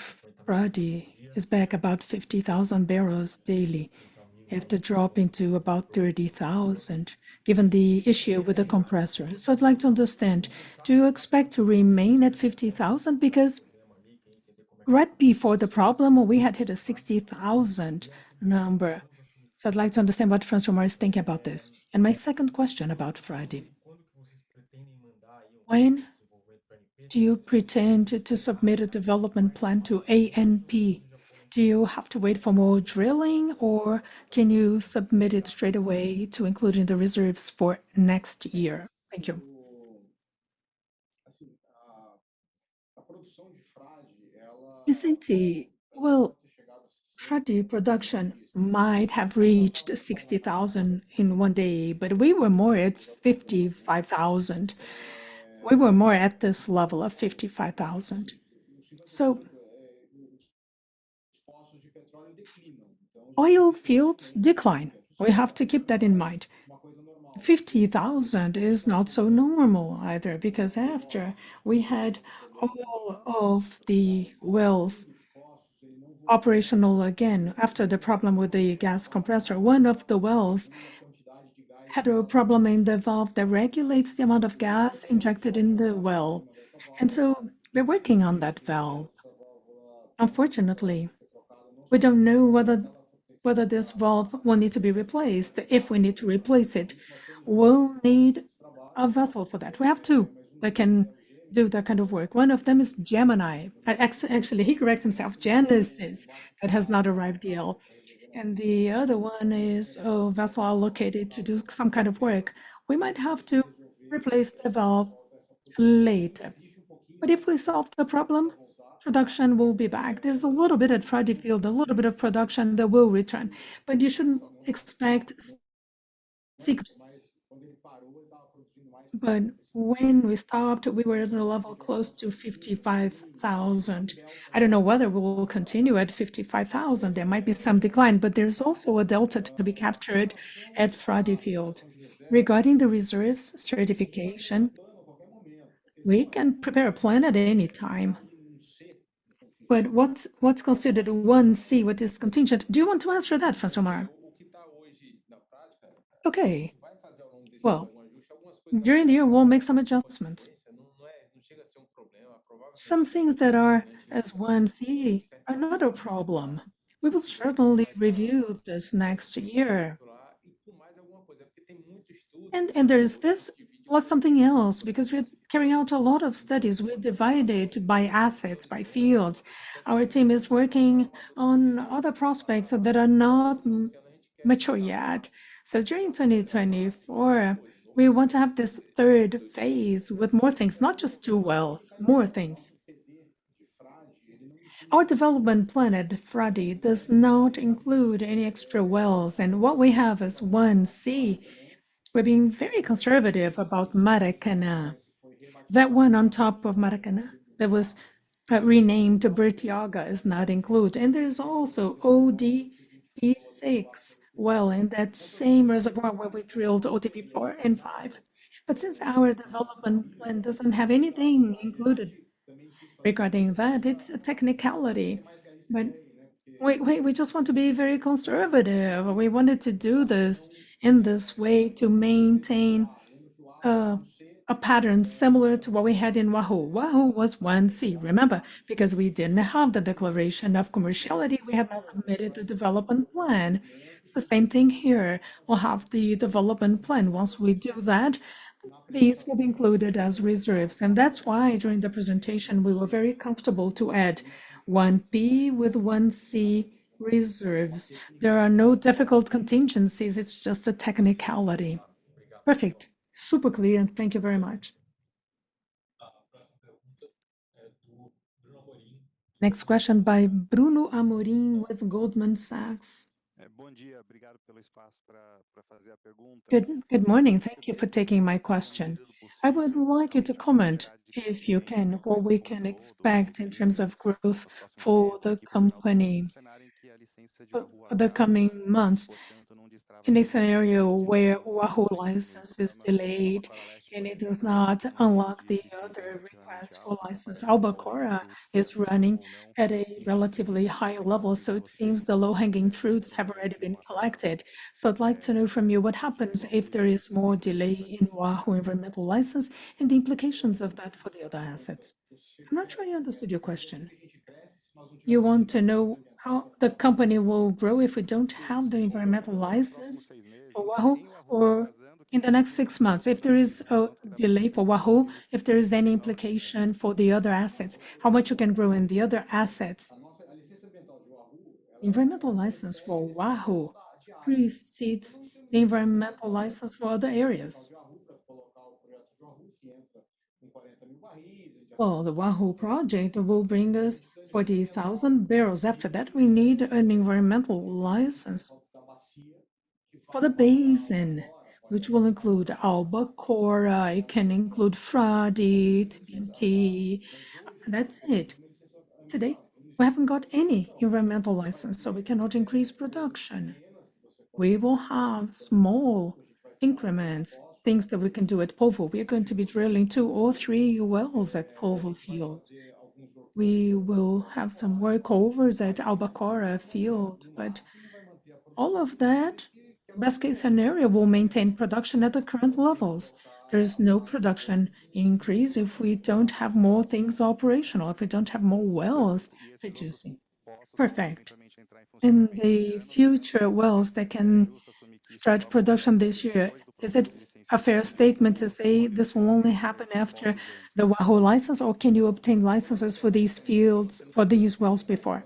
Frade is back about 50,000 barrels daily after dropping to about 30,000, given the issue with the compressor. So I'd like to understand, do you expect to remain at 50,000? Because right before the problem, we had hit a 60,000 number. So I'd like to understand what Francilmar is thinking about this. And my second question about Frade: When do you intend to submit a development plan to ANP? Do you have to wait for more drilling, or can you submit it straight away to include in the reserves for next year? Thank you. Vicente, well, Frade production might have reached 60,000 in one day, but we were more at 55,000. We were more at this level of 55,000. Oil fields decline. We have to keep that in mind. 50,000 is not so normal either, because after we had all of the wells operational again, after the problem with the gas compressor, one of the wells had a problem in the valve that regulates the amount of gas injected in the well. And so we're working on that valve. Unfortunately, we don't know whether this valve will need to be replaced. If we need to replace it, we'll need a vessel for that. We have two that can do that kind of work. One of them is Gemini. Actually, Genesis, that has not arrived yet, and the other one is a vessel allocated to do some kind of work. We might have to replace the valve later, but if we solve the problem, production will be back. There's a little bit at Frade Field, a little bit of production that will return, but you shouldn't expect 60. But when we stopped, we were at a level close to 55,000. I don't know whether we will continue at 55,000. There might be some decline, but there's also a delta to be captured at Frade Field. Regarding the reserves certification, we can prepare a plan at any time. But what's, what's considered 1C, what is contingent? Do you want to answer that, Francilmar? Okay. Well, during the year, we'll make some adjustments. Some things that are at 1C are not a problem. We will certainly review this next year. And there's this plus something else, because we're carrying out a lot of studies. We're divided by assets, by fields. Our team is working on other prospects that are not mature yet. So during 2024, we want to have this third phase with more things, not just two wells, more things. Our development plan at Frade does not include any extra wells, and what we have is 1C. We're being very conservative about Maracanã. That one on top of Maracanã, that was renamed to Bertioga, is not included. And there's also ODP-6 well in that same reservoir where we drilled ODP-4 and ODP-5. But since our development plan doesn't have anything included regarding that, it's a technicality. But we just want to be very conservative, or we wanted to do this in this way to maintain a pattern similar to what we had in Wahoo. Wahoo was one C, remember, because we didn't have the declaration of commerciality, we have not submitted the development plan. So same thing here. We'll have the development plan. Once we do that, these will be included as reserves, and that's why, during the presentation, we were very comfortable to add one B with one C reserves. There are no difficult contingencies. It's just a technicality. Perfect. Super clear, and thank you very much. Next question by Bruno Amorim with Goldman Sachs. Good, good morning. Thank you for taking my question. I would like you to comment, if you can, what we can expect in terms of growth for the company?... for, for the coming months, in a scenario where Wahoo license is delayed and it does not unlock the other requests for license. Albacora is running at a relatively high level, so it seems the low-hanging fruits have already been collected. So I'd like to know from you what happens if there is more delay in Wahoo environmental license and the implications of that for the other assets? I'm not sure I understood your question. You want to know how the company will grow if we don't have the environmental license for Wahoo? Or in the next 6 months, if there is a delay for Wahoo, if there is any implication for the other assets, how much you can grow in the other assets? Environmental license for Wahoo precedes the environmental license for other areas. Well, the Wahoo project will bring us 40,000 barrels. After that, we need an environmental license for the basin, which will include Albacora, it can include Frade, TBMT, and that's it. Today, we haven't got any environmental license, so we cannot increase production. We will have small increments, things that we can do at Polvo. We are going to be drilling two or three wells at Polvo field. We will have some workovers at Albacora Leste field, but all of that, best case scenario, will maintain production at the current levels. There is no production increase if we don't have more things operational, if we don't have more wells producing. Perfect. In the future, wells that can start production this year, is it a fair statement to say this will only happen after the Wahoo license, or can you obtain licenses for these fields, for these wells before?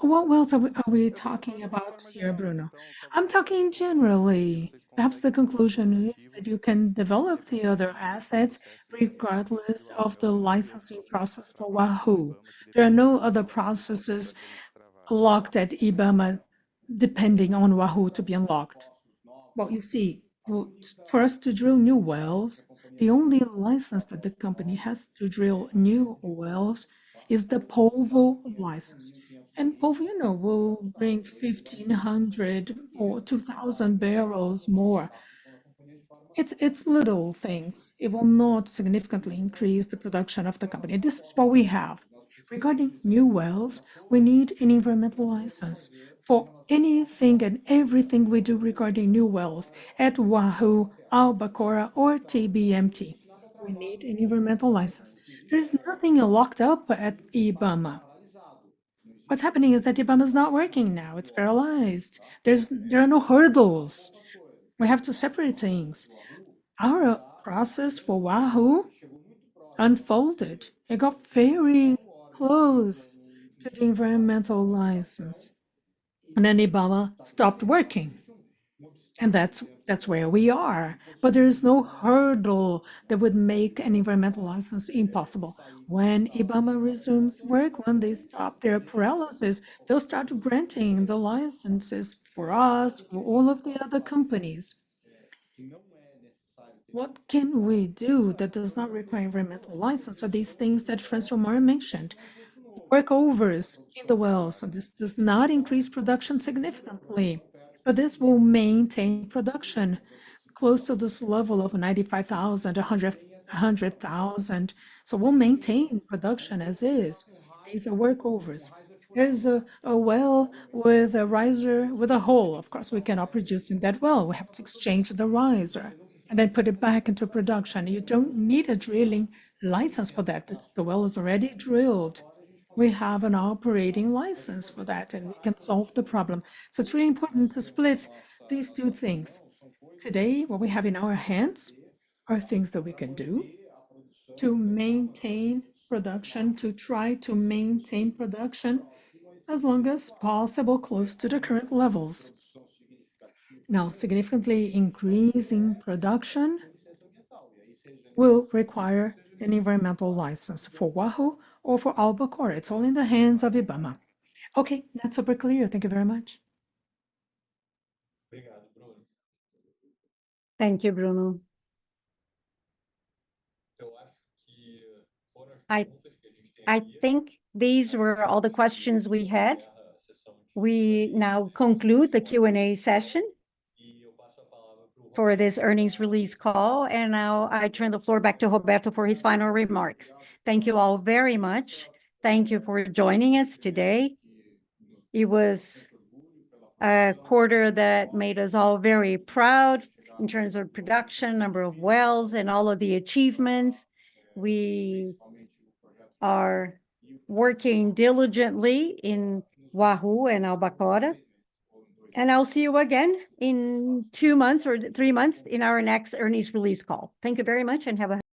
What wells are we talking about here, Bruno? I'm talking generally. Perhaps the conclusion is that you can develop the other assets regardless of the licensing process for Wahoo. There are no other processes locked at IBAMA, depending on Wahoo to be unlocked. Well, you see, for us to drill new wells, the only license that the company has to drill new wells is the Polvo license. Polvo, you know, will bring 1,500 or 2,000 barrels more. It's, it's little things. It will not significantly increase the production of the company. This is what we have. Regarding new wells, we need an environmental license. For anything and everything we do regarding new wells at Wahoo, Albacora, or TBMT, we need an environmental license. There is nothing locked up at IBAMA. What's happening is that IBAMA's not working now. It's paralyzed. There are no hurdles. We have to separate things. Our process for Wahoo unfolded. It got very close to the environmental license, and then IBAMA stopped working, and that's, that's where we are. But there is no hurdle that would make an environmental license impossible. When IBAMA resumes work, when they stop their paralysis, they'll start granting the licenses for us, for all of the other companies. What can we do that does not require environmental license? So these things that Francisco Mauro mentioned, workovers in the wells, so this does not increase production significantly, but this will maintain production close to this level of 95,000, a hundred, 100,000. So we'll maintain production as is. These are workovers. There's a, a well with a riser, with a hole. Of course, we cannot produce in that well. We have to exchange the riser and then put it back into production. You don't need a drilling license for that. The well is already drilled. We have an operating license for that, and we can solve the problem. So it's really important to split these two things. Today, what we have in our hands are things that we can do to maintain production, to try to maintain production as long as possible, close to the current levels. Now, significantly increasing production will require an environmental license for Wahoo or for Albacora. It's all in the hands of IBAMA. Okay, that's super clear. Thank you very much. Thank you, Bruno. I think these were all the questions we had. We now conclude the Q&A session for this earnings release call, and now I turn the floor back to Roberto for his final remarks. Thank you all very much. Thank you for joining us today. It was a quarter that made us all very proud in terms of production, number of wells, and all of the achievements. We are working diligently in Wahoo and Albacora, and I'll see you again in two months or three months in our next earnings release call. Thank you very much, and have a-